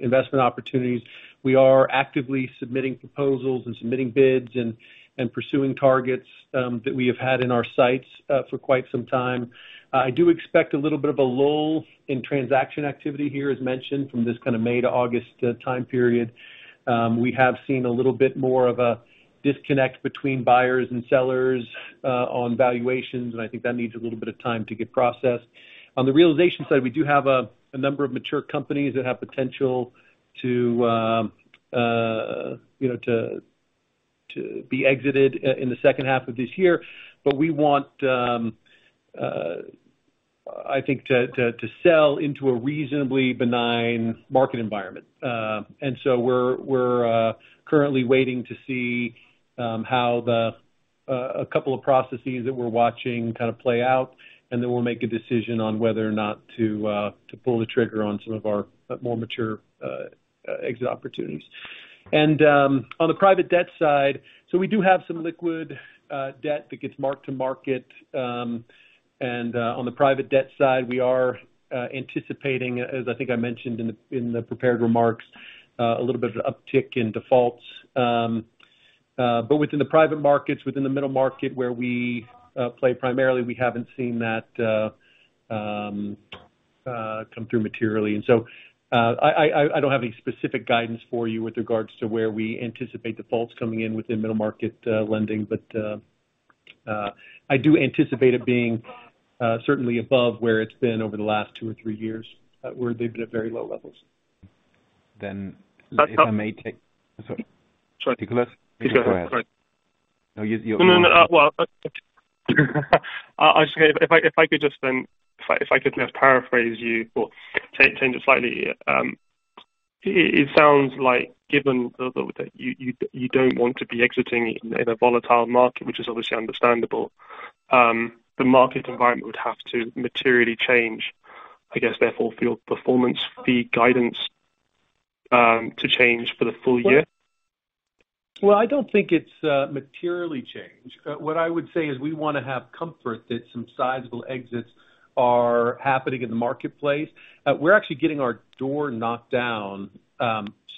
investment opportunities. We are actively submitting proposals and submitting bids and pursuing targets that we have had in our sights for quite some time. I do expect a little bit of a lull in transaction activity here, as mentioned, from this kinda May to August time period. We have seen a little bit more of a disconnect between buyers and sellers on valuations, and I think that needs a little bit of time to get processed. On the realization side, we do have a number of mature companies that have potential to you know to be exited in the second half of this year. We want I think to sell into a reasonably benign market environment. We're currently waiting to see how a couple of processes that we're watching kind of play out, and then we'll make a decision on whether or not to pull the trigger on some of our more mature exit opportunities. On the private debt side, we do have some liquid debt that gets marked to market. On the private debt side, we are anticipating, as I think I mentioned in the prepared remarks, a little bit of uptick in defaults. Within the private markets, within the middle market where we play primarily, we haven't seen that come through materially. I don't have any specific guidance for you with regards to where we anticipate defaults coming in within middle market lending. I do anticipate it being certainly above where it's been over the last two or three years, where they've been at very low levels. Then if I may take- Sorry. Sorry. Nicholas? Nicholas. Go ahead. No, you're No, no. Well, I was gonna. If I could just paraphrase you or change it slightly. It sounds like, given that you don't want to be exiting in a volatile market, which is obviously understandable. The market environment would have to materially change, I guess, therefore for your performance fee guidance, to change for the full year. Well, I don't think it's materially changed. What I would say is we wanna have comfort that some sizable exits are happening in the marketplace. We're actually getting our door knocked down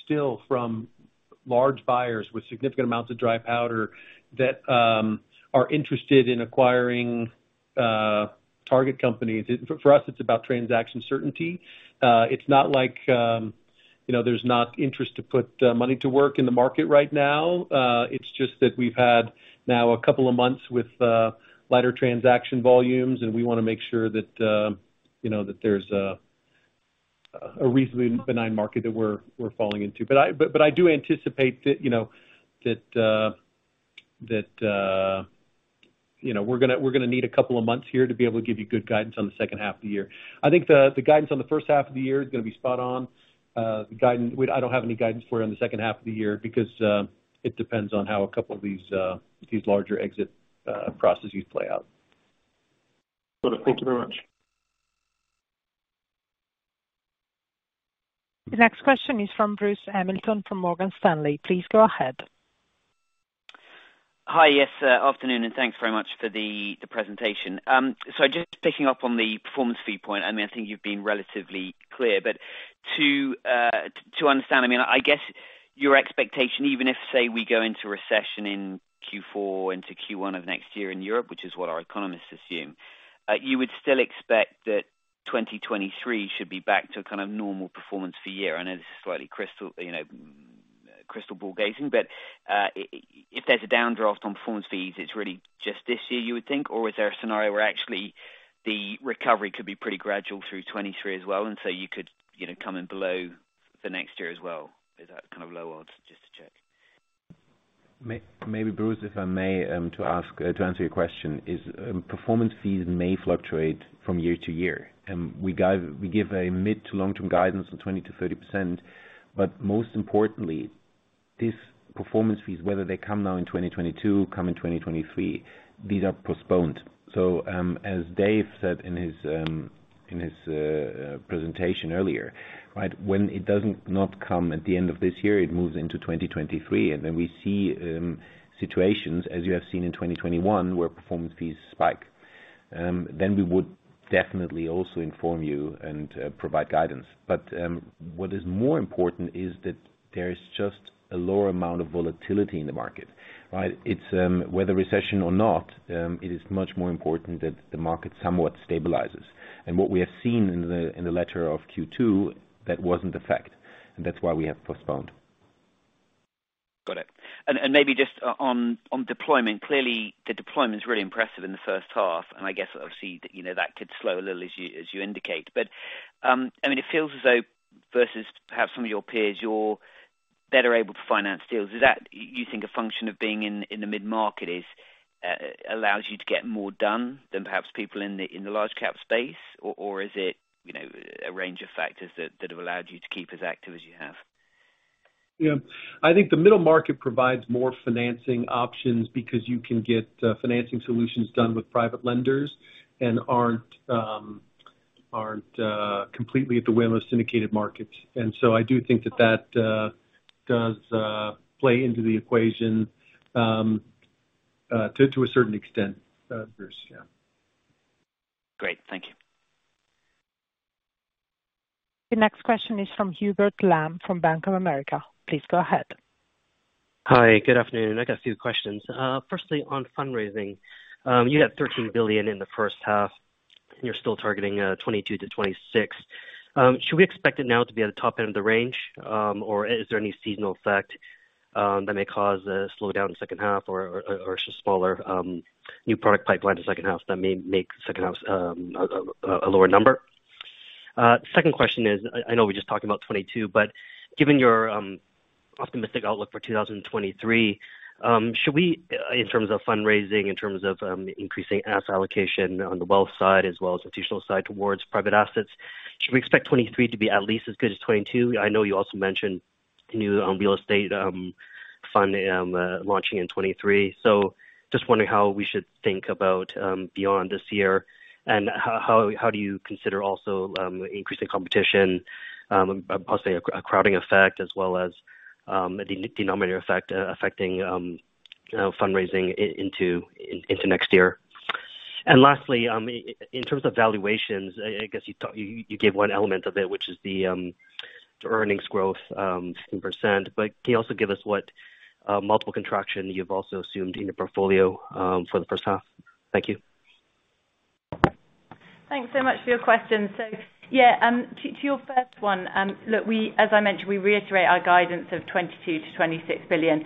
still from large buyers with significant amounts of dry powder that are interested in acquiring target companies. For us, it's about transaction certainty. It's not like, you know, there's not interest to put money to work in the market right now. It's just that we've had now a couple of months with lighter transaction volumes, and we wanna make sure that, you know, that there's a reasonably benign market that we're falling into. I do anticipate that, you know, that we're gonna need a couple of months here to be able to give you good guidance on the second half of the year. I think the guidance on the first half of the year is gonna be spot on. I don't have any guidance for you on the second half of the year because it depends on how a couple of these larger exit processes play out. Got it. Thank you very much. The next question is from Bruce Hamilton from Morgan Stanley. Please go ahead. Hi. Yes. Afternoon, and thanks very much for the presentation. So just picking up on the performance fee point, I mean, I think you've been relatively clear. But to understand, I mean, I guess your expectation, even if, say, we go into recession in Q4 into Q1 of next year in Europe, which is what our economists assume, you would still expect that 2023 should be back to a kind of normal performance fee year. I know this is slightly crystal, you know, crystal ball gazing. But if there's a downdraft on performance fees, it's really just this year, you would think? Or is there a scenario where actually the recovery could be pretty gradual through 2023 as well, and so you could, you know, come in below the next year as well? Is that kind of low odds, just to check. Maybe Bruce, if I may, to answer your question, performance fees may fluctuate from year to year. We give a mid- to long-term guidance of 20%-30%. Most importantly, these performance fees, whether they come now in 2022, come in 2023, these are postponed. As Dave said in his presentation earlier, right? When it does not come at the end of this year, it moves into 2023. Then we see situations as you have seen in 2021, where performance fees spike. Then we would definitely also inform you and provide guidance. But what is more important is that there is just a lower amount of volatility in the market, right? It's whether recession or not, it is much more important that the market somewhat stabilizes. What we have seen in the latter of Q2, that wasn't the fact, and that's why we have postponed. Got it. Maybe just on deployment. Clearly the deployment's really impressive in the first half, and I guess obviously, you know, that could slow a little as you indicate. I mean, it feels as though versus perhaps some of your peers, you're better able to finance deals. Is that you think a function of being in the mid-market allows you to get more done than perhaps people in the large cap space? Or is it, you know, a range of factors that have allowed you to keep as active as you have? Yeah. I think the middle market provides more financing options because you can get financing solutions done with private lenders and aren't completely at the whim of syndicated markets. I do think that does play into the equation to a certain extent, Bruce, yeah. Great. Thank you. The next question is from Hubert Lam, from Bank of America. Please go ahead. Hi, good afternoon. I got a few questions. Firstly, on fundraising. You had $13 billion in the first half, and you're still targeting $22 billion-$26 billion. Should we expect it now to be at the top end of the range? Or is there any seasonal effect that may cause a slowdown in second half or just smaller new product pipeline to second half that may make second half a lower number? Second question is, I know we just talked about 2022, but given your optimistic outlook for 2023, should we, in terms of fundraising, increasing asset allocation on the wealth side as well as institutional side towards private assets, expect 2023 to be at least as good as 2022? I know you also mentioned new real estate fund launching in 2023. Just wondering how we should think about beyond this year and how do you consider also increasing competition, possibly a crowding effect as well as a denominator effect affecting fundraising into next year. Lastly, in terms of valuations, I guess you gave one element of it, which is the earnings growth 15%. Can you also give us what multiple contraction you've also assumed in your portfolio for the first half? Thank you. Thanks so much for your question. Yeah, to your first one, look, as I mentioned, we reiterate our guidance of $22 billion-$26 billion.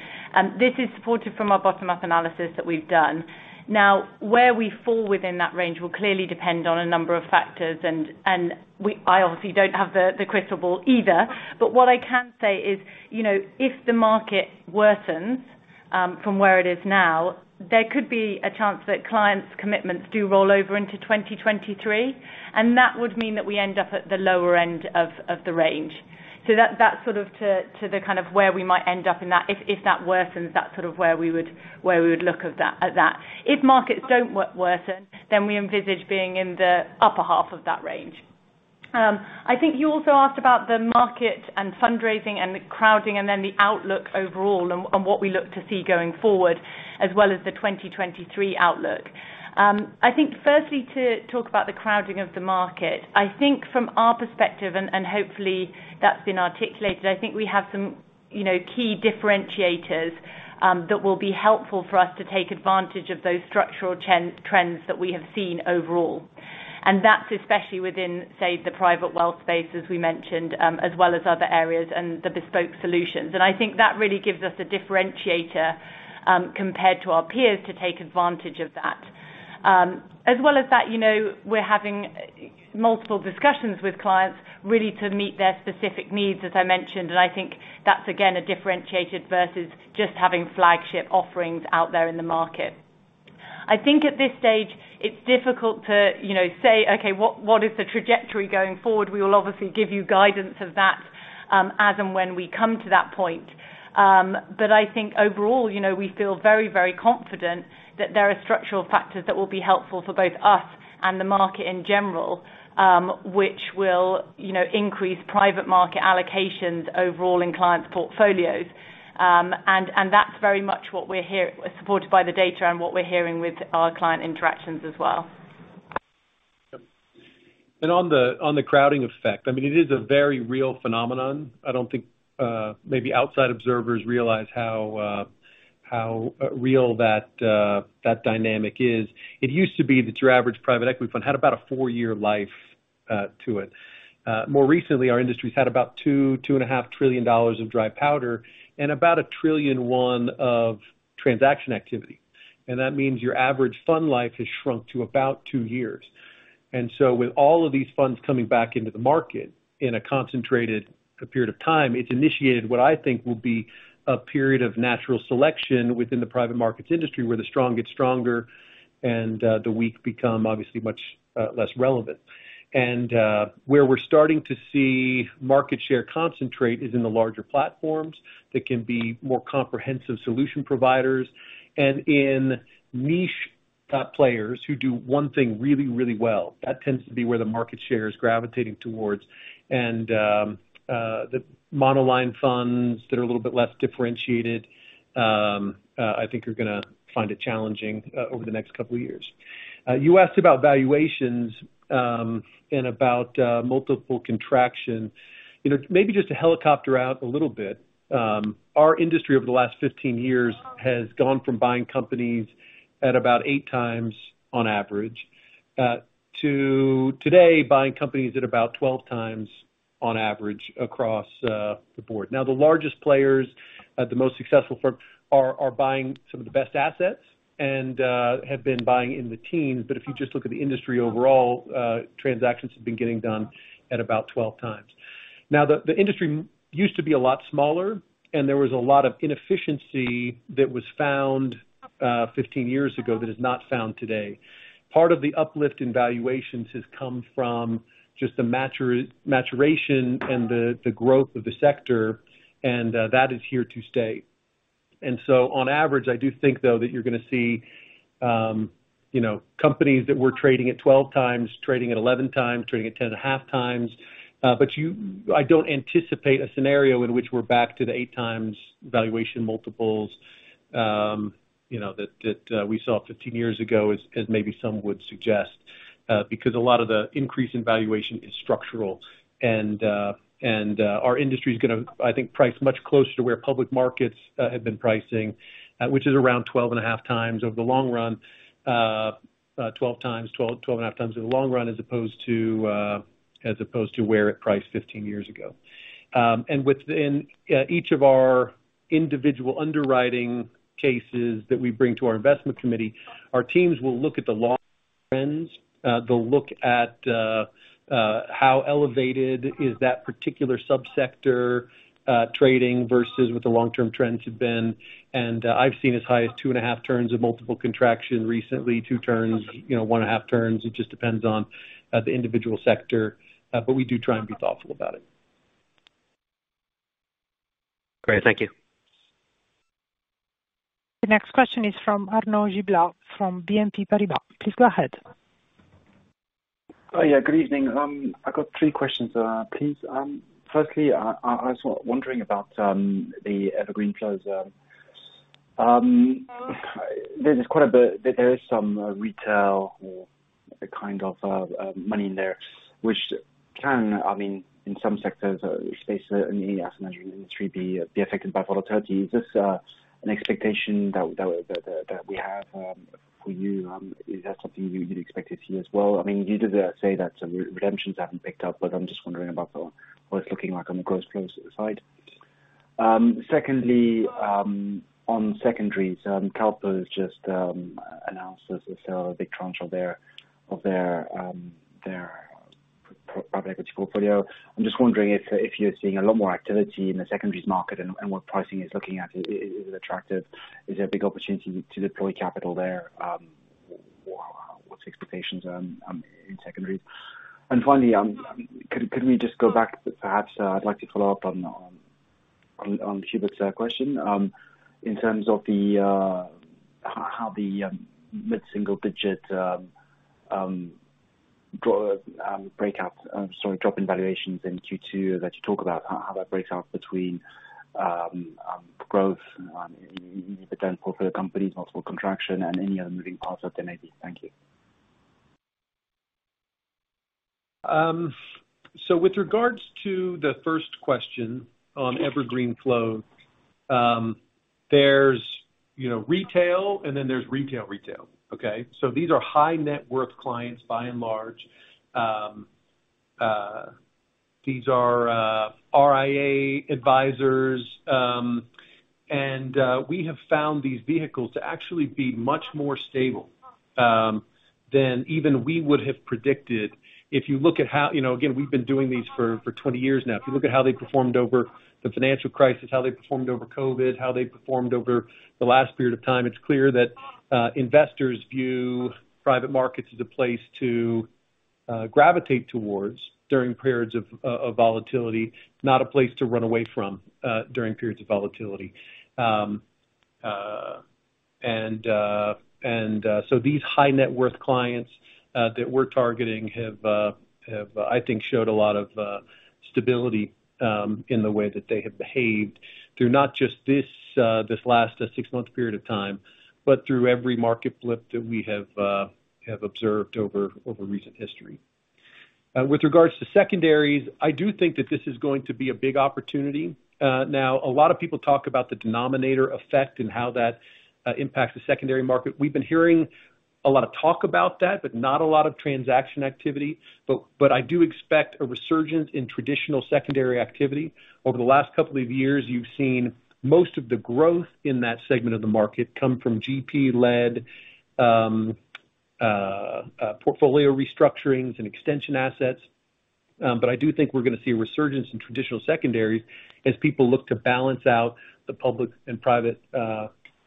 This is supported from our bottom-up analysis that we've done. Now, where we fall within that range will clearly depend on a number of factors. I obviously don't have the crystal ball either. What I can say is, you know, if the market worsens from where it is now, there could be a chance that clients' commitments do roll over into 2023, and that would mean that we end up at the lower end of the range. That sort of to the kind of where we might end up in that if that worsens, that's sort of where we would look at that. If markets don't worsen, then we envisage being in the upper half of that range. I think you also asked about the market and fundraising and the crowding, and then the outlook overall, and what we look to see going forward as well as the 2023 outlook. I think firstly to talk about the crowding of the market. I think from our perspective, and hopefully that's been articulated, I think we have some, you know, key differentiators, that will be helpful for us to take advantage of those structural trends that we have seen overall. That's especially within, say, the private wealth space as we mentioned, as well as other areas and the bespoke solutions. I think that really gives us a differentiator, compared to our peers to take advantage of that. As well as that, you know, we're having multiple discussions with clients really to meet their specific needs, as I mentioned, and I think that's again, a differentiated versus just having flagship offerings out there in the market. I think at this stage it's difficult to, you know, say, okay, what is the trajectory going forward? We will obviously give you guidance of that, as and when we come to that point. I think overall, you know, we feel very, very confident that there are structural factors that will be helpful for both us and the market in general, which will, you know, increase private market allocations overall in clients' portfolios. That's very much what we're supported by the data and what we're hearing with our client interactions as well. On the crowding effect, I mean, it is a very real phenomenon. I don't think maybe outside observers realize how real that dynamic is. It used to be that your average private equity fund had about a four year life to it. More recently, our industry's had about $2 trillion-2.5 trillion of dry powder and about $1 trillion of transaction activity. That means your average fund life has shrunk to about two years. With all of these funds coming back into the market in a concentrated period of time, it's initiated what I think will be a period of natural selection within the private markets industry, where the strong get stronger and the weak become obviously much less relevant. Where we're starting to see market share concentrate is in the larger platforms that can be more comprehensive solution providers and in niche players who do one thing really, really well. That tends to be where the market share is gravitating towards. The monoline funds that are a little bit less differentiated, I think are gonna find it challenging over the next couple of years. You asked about valuations and about multiple contraction. You know, maybe just to helicopter out a little bit. Our industry over the last 15 years has gone from buying companies at about 8x on average to today, buying companies at about 12x on average across the board. Now, the largest players, the most successful firms are buying some of the best assets and have been buying in the teens. But if you just look at the industry overall, transactions have been getting done at about 12x. Now, the industry used to be a lot smaller, and there was a lot of inefficiency that was found 15 years ago that is not found today. Part of the uplift in valuations has come from just the maturation and the growth of the sector, and that is here to stay. On average, I do think, though, that you're gonna see, you know, companies that were trading at 12x, trading at 11x, trading at 10.5x. I don't anticipate a scenario in which we're back to the 8x valuation multiples, you know, that we saw 15 years ago as maybe some would suggest, because a lot of the increase in valuation is structural. Our industry is gonna, I think, price much closer to where public markets have been pricing, which is around 12.5x over the long run, 12x-12.5x in the long run, as opposed to where it priced 15 years ago. Within each of our individual underwriting cases that we bring to our investment committee, our teams will look at the long trends. They'll look at how elevated is that particular subsector trading versus what the long-term trends have been. I've seen as high as two in a half turns of multiple contraction recently, two turns, you know, one half turns. It just depends on the individual sector. We do try and be thoughtful about it. Great. Thank you. The next question is from Arnaud Giblat, from BNP Paribas. Please go ahead. Oh, yeah. Good evening. I've got three questions, please. Firstly, I was wondering about the evergreen flows. There is some retail or kind of money in there which can, I mean, in some sectors face certainly asset management in the three B be affected by volatility. Is this an expectation that we have for you? Is that something you'd expect to see as well? I mean, you did say that some redemptions haven't picked up, but I'm just wondering about what it's looking like on the gross flows side. Secondly, on secondaries, CalPERS just announced the sale of a big tranche of their private equity portfolio. I'm just wondering if you're seeing a lot more activity in the secondaries market and what pricing is looking like. Is it attractive? Is there a big opportunity to deploy capital there? What's the expectations in secondaries? Finally, could we just go back perhaps. I'd like to follow up on Hubert's question in terms of how the mid-single digit drop in valuations in Q2 that you talk about, how that breaks out between growth in potential portfolio companies, multiple contraction, and any other moving parts out there maybe. Thank you. With regard to the first question on evergreen flow, there's, you know, retail and then there's retail retail. These are high net worth clients by and large. These are RIA advisors. We have found these vehicles to actually be much more stable than even we would have predicted. If you look at how you know, again, we've been doing these for 20 years now. If you look at how they performed over the financial crisis, how they performed over COVID, how they performed over the last period of time, it's clear that investors view private markets as a place to gravitate towards during periods of volatility, not a place to run away from during periods of volatility. These high net worth clients that we're targeting have, I think, showed a lot of stability in the way that they have behaved through not just this last six-month period of time, but through every market blip that we have observed over recent history. With regards to secondaries, I do think that this is going to be a big opportunity. Now a lot of people talk about the denominator effect and how that impacts the secondary market. We've been hearing a lot of talk about that, but not a lot of transaction activity. I do expect a resurgence in traditional secondary activity. Over the last couple of years, you've seen most of the growth in that segment of the market come from GP-led portfolio restructurings and extension assets. I do think we're gonna see a resurgence in traditional secondaries as people look to balance out the public and private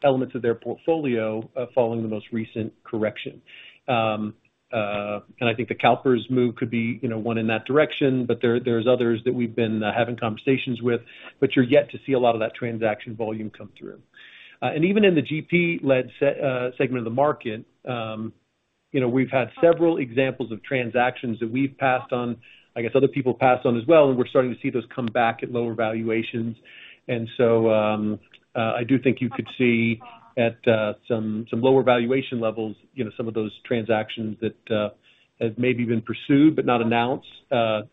elements of their portfolio following the most recent correction. I think the CalPERS move could be, you know, one in that direction, but there's others that we've been having conversations with, but you're yet to see a lot of that transaction volume come through. Even in the GP-led segment of the market, you know, we've had several examples of transactions that we've passed on, I guess other people passed on as well, and we're starting to see those come back at lower valuations. I do think you could see at some lower valuation levels, you know, some of those transactions that have maybe been pursued but not announced,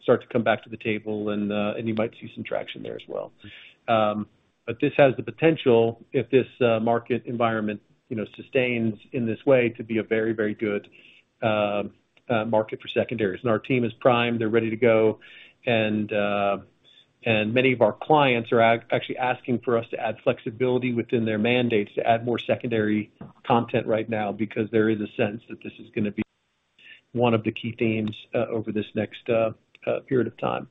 start to come back to the table and you might see some traction there as well. This has the potential, if this market environment, you know, sustains in this way to be a very, very good market for secondaries. Our team is primed. They're ready to go. Many of our clients are actually asking for us to add flexibility within their mandates to add more secondary content right now because there is a sense that this is gonna be one of the key themes over this next period of time.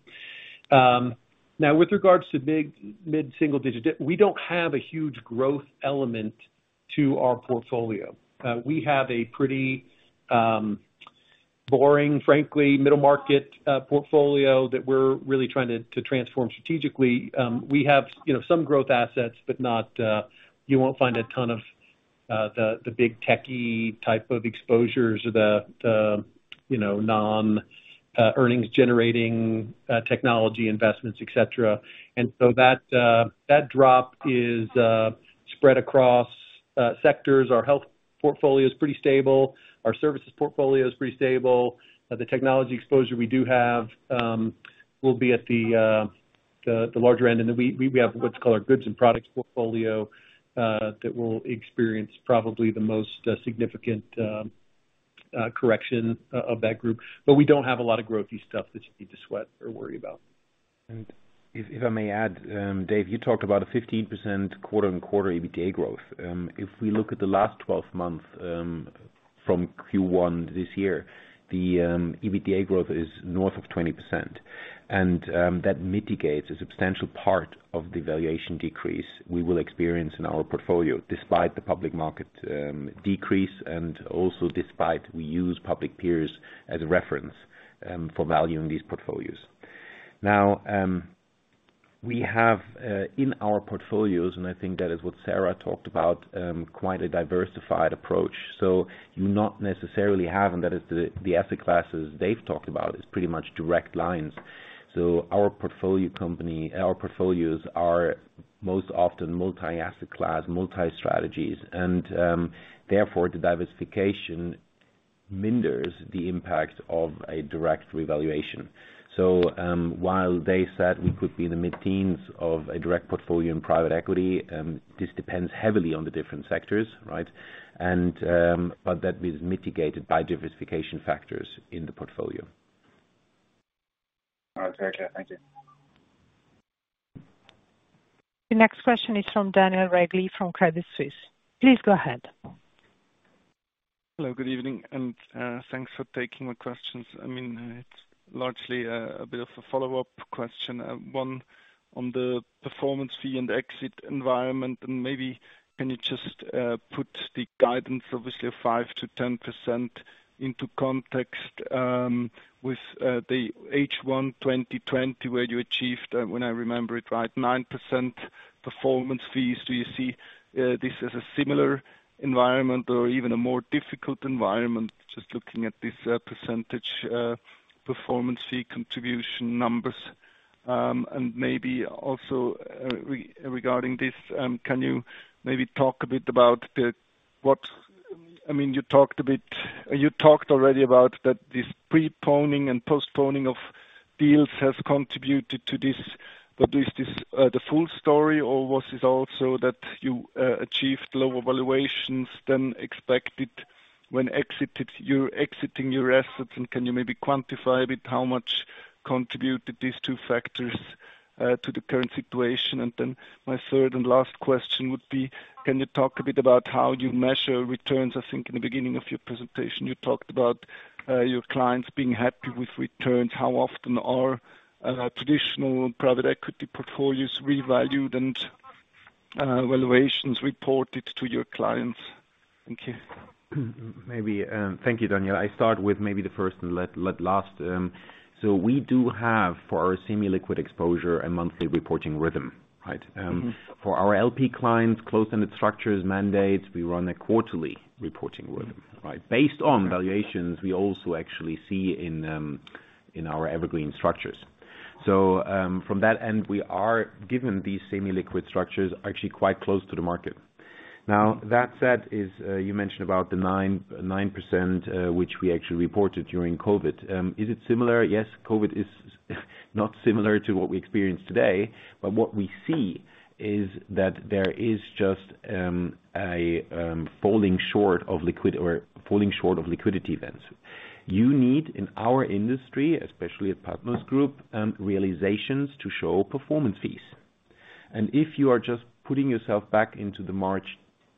Now with regards to mid-single digit, we don't have a huge growth element to our portfolio. We have a pretty boring, frankly, middle market portfolio that we're really trying to transform strategically. We have, you know, some growth assets, but not you won't find a ton of the big techy type of exposures or the you know non earnings generating technology investments, et cetera. That drop is spread across sectors. Our health portfolio is pretty stable. Our services portfolio is pretty stable. The technology exposure we do have will be at the larger end. We have what's called our goods and products portfolio that will experience probably the most significant correction of that group. We don't have a lot of growth-y stuff that you need to sweat or worry about. If I may add, Dave, you talked about a 15% quarter-on-quarter EBITDA growth. If we look at the last 12 months from Q1 this year, the EBITDA growth is north of 20%. That mitigates a substantial part of the valuation decrease we will experience in our portfolio despite the public market decrease and also despite we use public peers as a reference for valuing these portfolios. Now we have in our portfolios, and I think that is what Sarah talked about, quite a diversified approach. You not necessarily have, and that is the asset classes Dave talked about is pretty much direct lending. Our portfolios are most often multi-asset class, multi-strategies, and therefore, the diversification mitigates the impact of a direct revaluation. While Dave said we could be in the mid-teens of a direct portfolio in private equity, this depends heavily on the different sectors, right? That is mitigated by diversification factors in the portfolio. All right. Very clear. Thank you. The next question is from Daniel Regli from Credit Suisse. Please go ahead. Hello, good evening, and thanks for taking my questions. I mean, it's largely a bit of a follow-up question. One on the performance fee and exit environment, and maybe can you just put the guidance, obviously of 5%-10%, into context with the H1 2020, where you achieved, when I remember it right, 9% performance fees. Do you see this as a similar environment or even a more difficult environment, just looking at this percentage performance fee contribution numbers? Maybe also regarding this, can you maybe talk a bit about I mean, you talked already about that this preponing and postponing of deals has contributed to this. Is this the full story or was it also that you achieved lower valuations than expected when you're exiting your assets? Can you maybe quantify a bit how much contributed these two factors to the current situation? My third and last question would be, can you talk a bit about how you measure returns? I think in the beginning of your presentation you talked about your clients being happy with returns. How often are traditional private equity portfolios revalued and valuations reported to your clients? Thank you. Maybe, thank you, Daniel. I start with maybe the first and last. We do have for our semi-liquid exposure a monthly reporting rhythm, right? For our LP clients, close-ended structures mandates, we run a quarterly reporting rhythm, right? Based on valuations we also actually see in in our evergreen structures. From that end, we are given these semi-liquid structures actually quite close to the market. Now that said, you mentioned about the 9%, which we actually reported during COVID. Is it similar? Yes. COVID is not similar to what we experience today, but what we see is that there is just a falling short of liquidity events. You need, in our industry, especially at Partners Group, realizations to show performance fees. If you are just putting yourself back into the March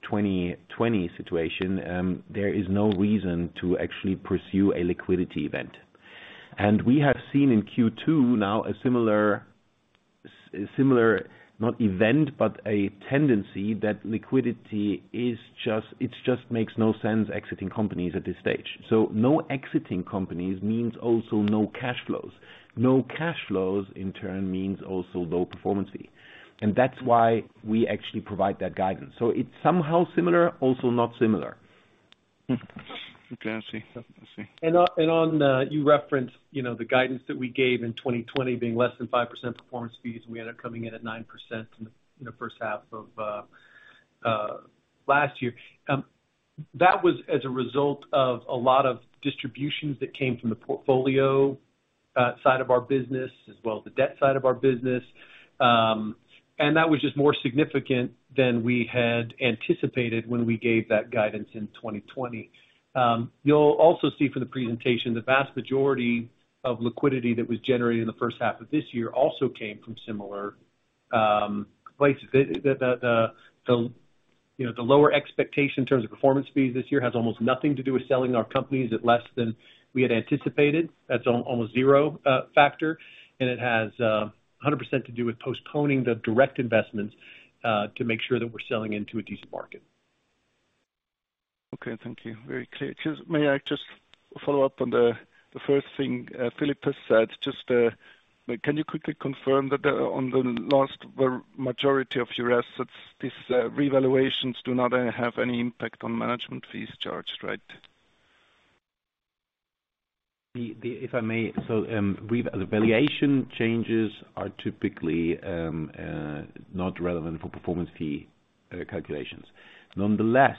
2020 situation, there is no reason to actually pursue a liquidity event. We have seen in Q2 now a similar, not event, but a tendency that liquidity is just it just makes no sense exiting companies at this stage. No exiting companies means also no cash flows. No cash flows in turn means also low performance fee. That's why we actually provide that guidance. It's somehow similar, also not similar. Okay, I see. I see. You referenced, you know, the guidance that we gave in 2020 being less than 5% performance fees, and we ended up coming in at 9% in the, you know, first half of last year. That was as a result of a lot of distributions that came from the portfolio side of our business, as well as the debt side of our business. That was just more significant than we had anticipated when we gave that guidance in 2020. You'll also see from the presentation, the vast majority of liquidity that was generated in the first half of this year also came from similar places. You know, the lower expectation in terms of performance fees this year has almost nothing to do with selling our companies at less than we had anticipated. That's almost zero factor. It has 100% to do with postponing the direct investments to make sure that we're selling into a decent market. Okay, thank you. Very clear. Just may I follow up on the first thing Philip has said? Just, can you quickly confirm that on the majority of your assets, these revaluations do not have any impact on management fees charged, right? If I may. The valuation changes are typically not relevant for performance fee calculations. Nonetheless,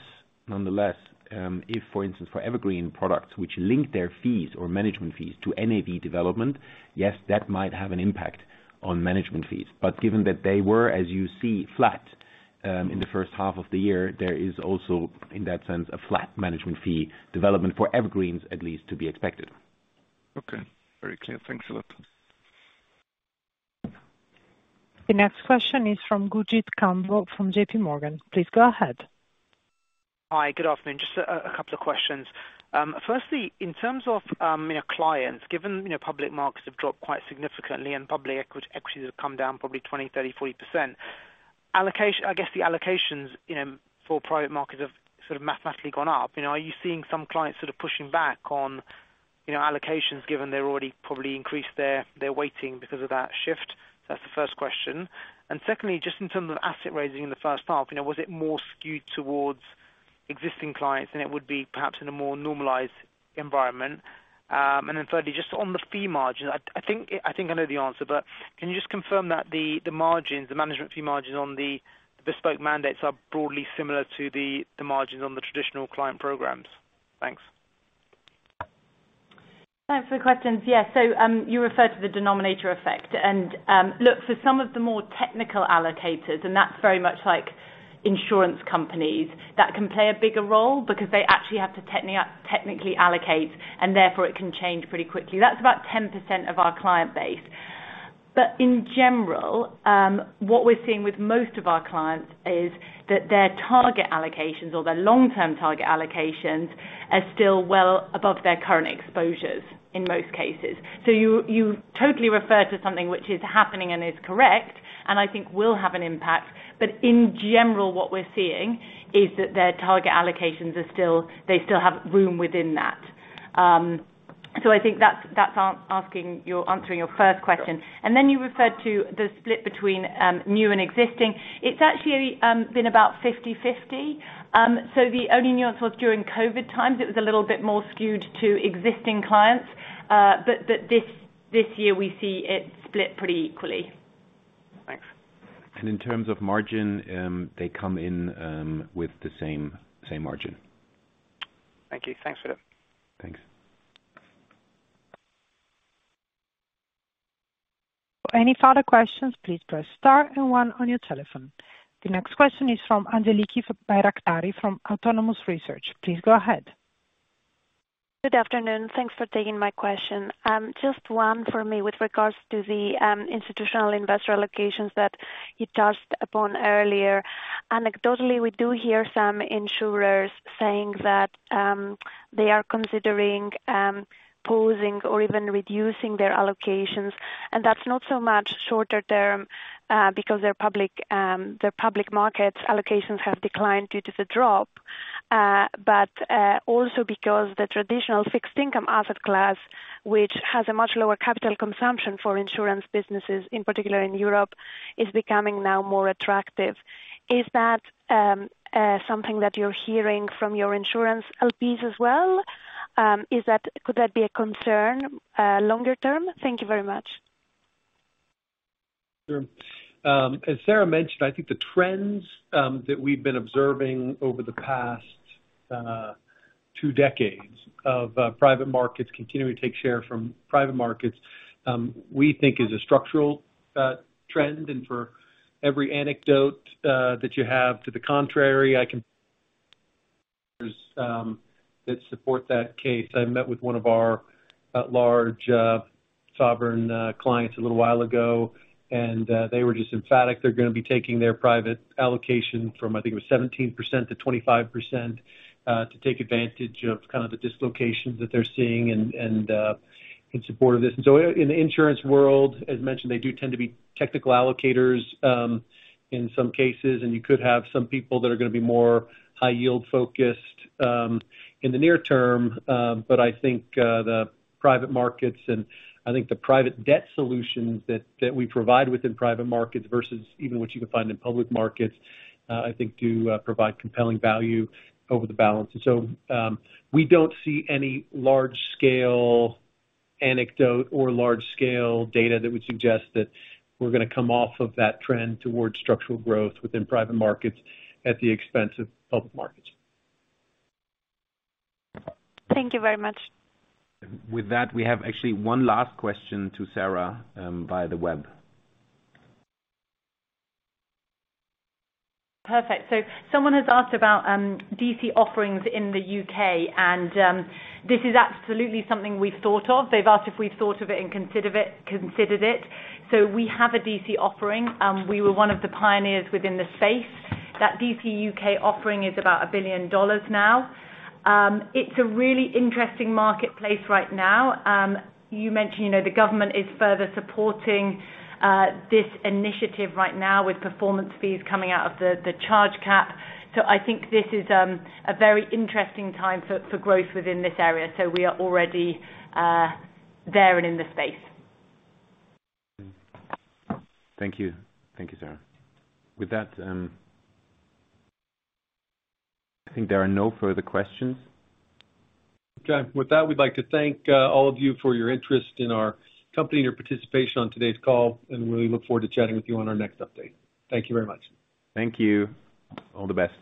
if, for instance, for evergreen products which link their fees or management fees to NAV development, yes, that might have an impact on management fees. Given that they were, as you see, flat in the first half of the year, there is also, in that sense, a flat management fee development for evergreens, at least to be expected. Okay. Very clear. Thanks a lot. The next question is from Gurjit Kambo from JPMorgan. Please go ahead. Hi, good afternoon. Just a couple of questions. Firstly, in terms of you know, clients, given you know, public markets have dropped quite significantly and public equities have come down probably 20, 30, 40%. Allocations, I guess the allocations you know, for private markets have sort of mathematically gone up. You know, are you seeing some clients sort of pushing back on you know, allocations given they're already probably increased their weighting because of that shift? That's the first question. Secondly, just in terms of asset raising in the first half, you know, was it more skewed towards existing clients than it would be perhaps in a more normalized environment? Thirdly, just on the fee margin, I think I know the answer, but can you just confirm that the margins, the management fee margins on the bespoke mandates are broadly similar to the margins on the traditional client programs? Thanks. Thanks for the questions. Yeah. You referred to the denominator effect. Look, for some of the more technical allocators, and that's very much like insurance companies, that can play a bigger role because they actually have to technically allocate, and therefore it can change pretty quickly. That's about 10% of our client base. In general, what we're seeing with most of our clients is that their target allocations or their long-term target allocations are still well above their current exposures in most cases. You totally refer to something which is happening and is correct, and I think will have an impact. In general, what we're seeing is that their target allocations are still. They still have room within that. I think that's answering your first question. Sure. You referred to the split between new and existing. It's actually been about 50/50. So the only nuance was during COVID times, it was a little bit more skewed to existing clients. But this year we see it split pretty equally. Thanks. In terms of margin, they come in with the same margin. Thank you. Thanks for that. Thanks. Any further questions, please press star and one on your telephone. The next question is from Angeliki Bairaktari from Autonomous Research. Please go ahead. Good afternoon. Thanks for taking my question. Just one for me with regards to the institutional investor allocations that you touched upon earlier. Anecdotally, we do hear some insurers saying that they are considering pausing or even reducing their allocations, and that's not so much shorter term because their public markets allocations have declined due to the drop, but also because the traditional fixed income asset class, which has a much lower capital consumption for insurance businesses, in particular in Europe, is becoming now more attractive. Is that something that you're hearing from your insurance LPs as well? Could that be a concern longer term? Thank you very much. Sure. As Sarah mentioned, I think the trends that we've been observing over the past two decades of private markets continuing to take share from public markets, we think is a structural trend. For every anecdote that you have to the contrary, I can that support that case. I met with one of our large sovereign clients a little while ago, and they were just emphatic they're gonna be taking their private allocation from, I think it was 17%-25%, to take advantage of kind of the dislocations that they're seeing and in support of this. In the insurance world, as mentioned, they do tend to be tactical allocators in some cases. You could have some people that are gonna be more high yield focused in the near term. I think the private markets and I think the private debt solutions that we provide within private markets versus even what you can find in public markets I think do provide compelling value over the balance. We don't see any large-scale anecdotal or large-scale data that would suggest that we're gonna come off of that trend towards structural growth within private markets at the expense of public markets. Thank you very much. With that, we have actually one last question to Sarah, via the web. Perfect. Someone has asked about DC offerings in the U.K., and this is absolutely something we've thought of. They've asked if we've thought of it and considered it. We have a DC offering. We were one of the pioneers within the space. That DC U.K. offering is about $1 billion now. It's a really interesting marketplace right now. You mentioned, you know, the government is further supporting this initiative right now with performance fees coming out of the charge cap. I think this is a very interesting time for growth within this area. We are already there and in the space. Thank you. Thank you, Sarah. With that, I think there are no further questions. Okay. With that, we'd like to thank all of you for your interest in our company and your participation on today's call, and we really look forward to chatting with you on our next update. Thank you very much. Thank you. All the best.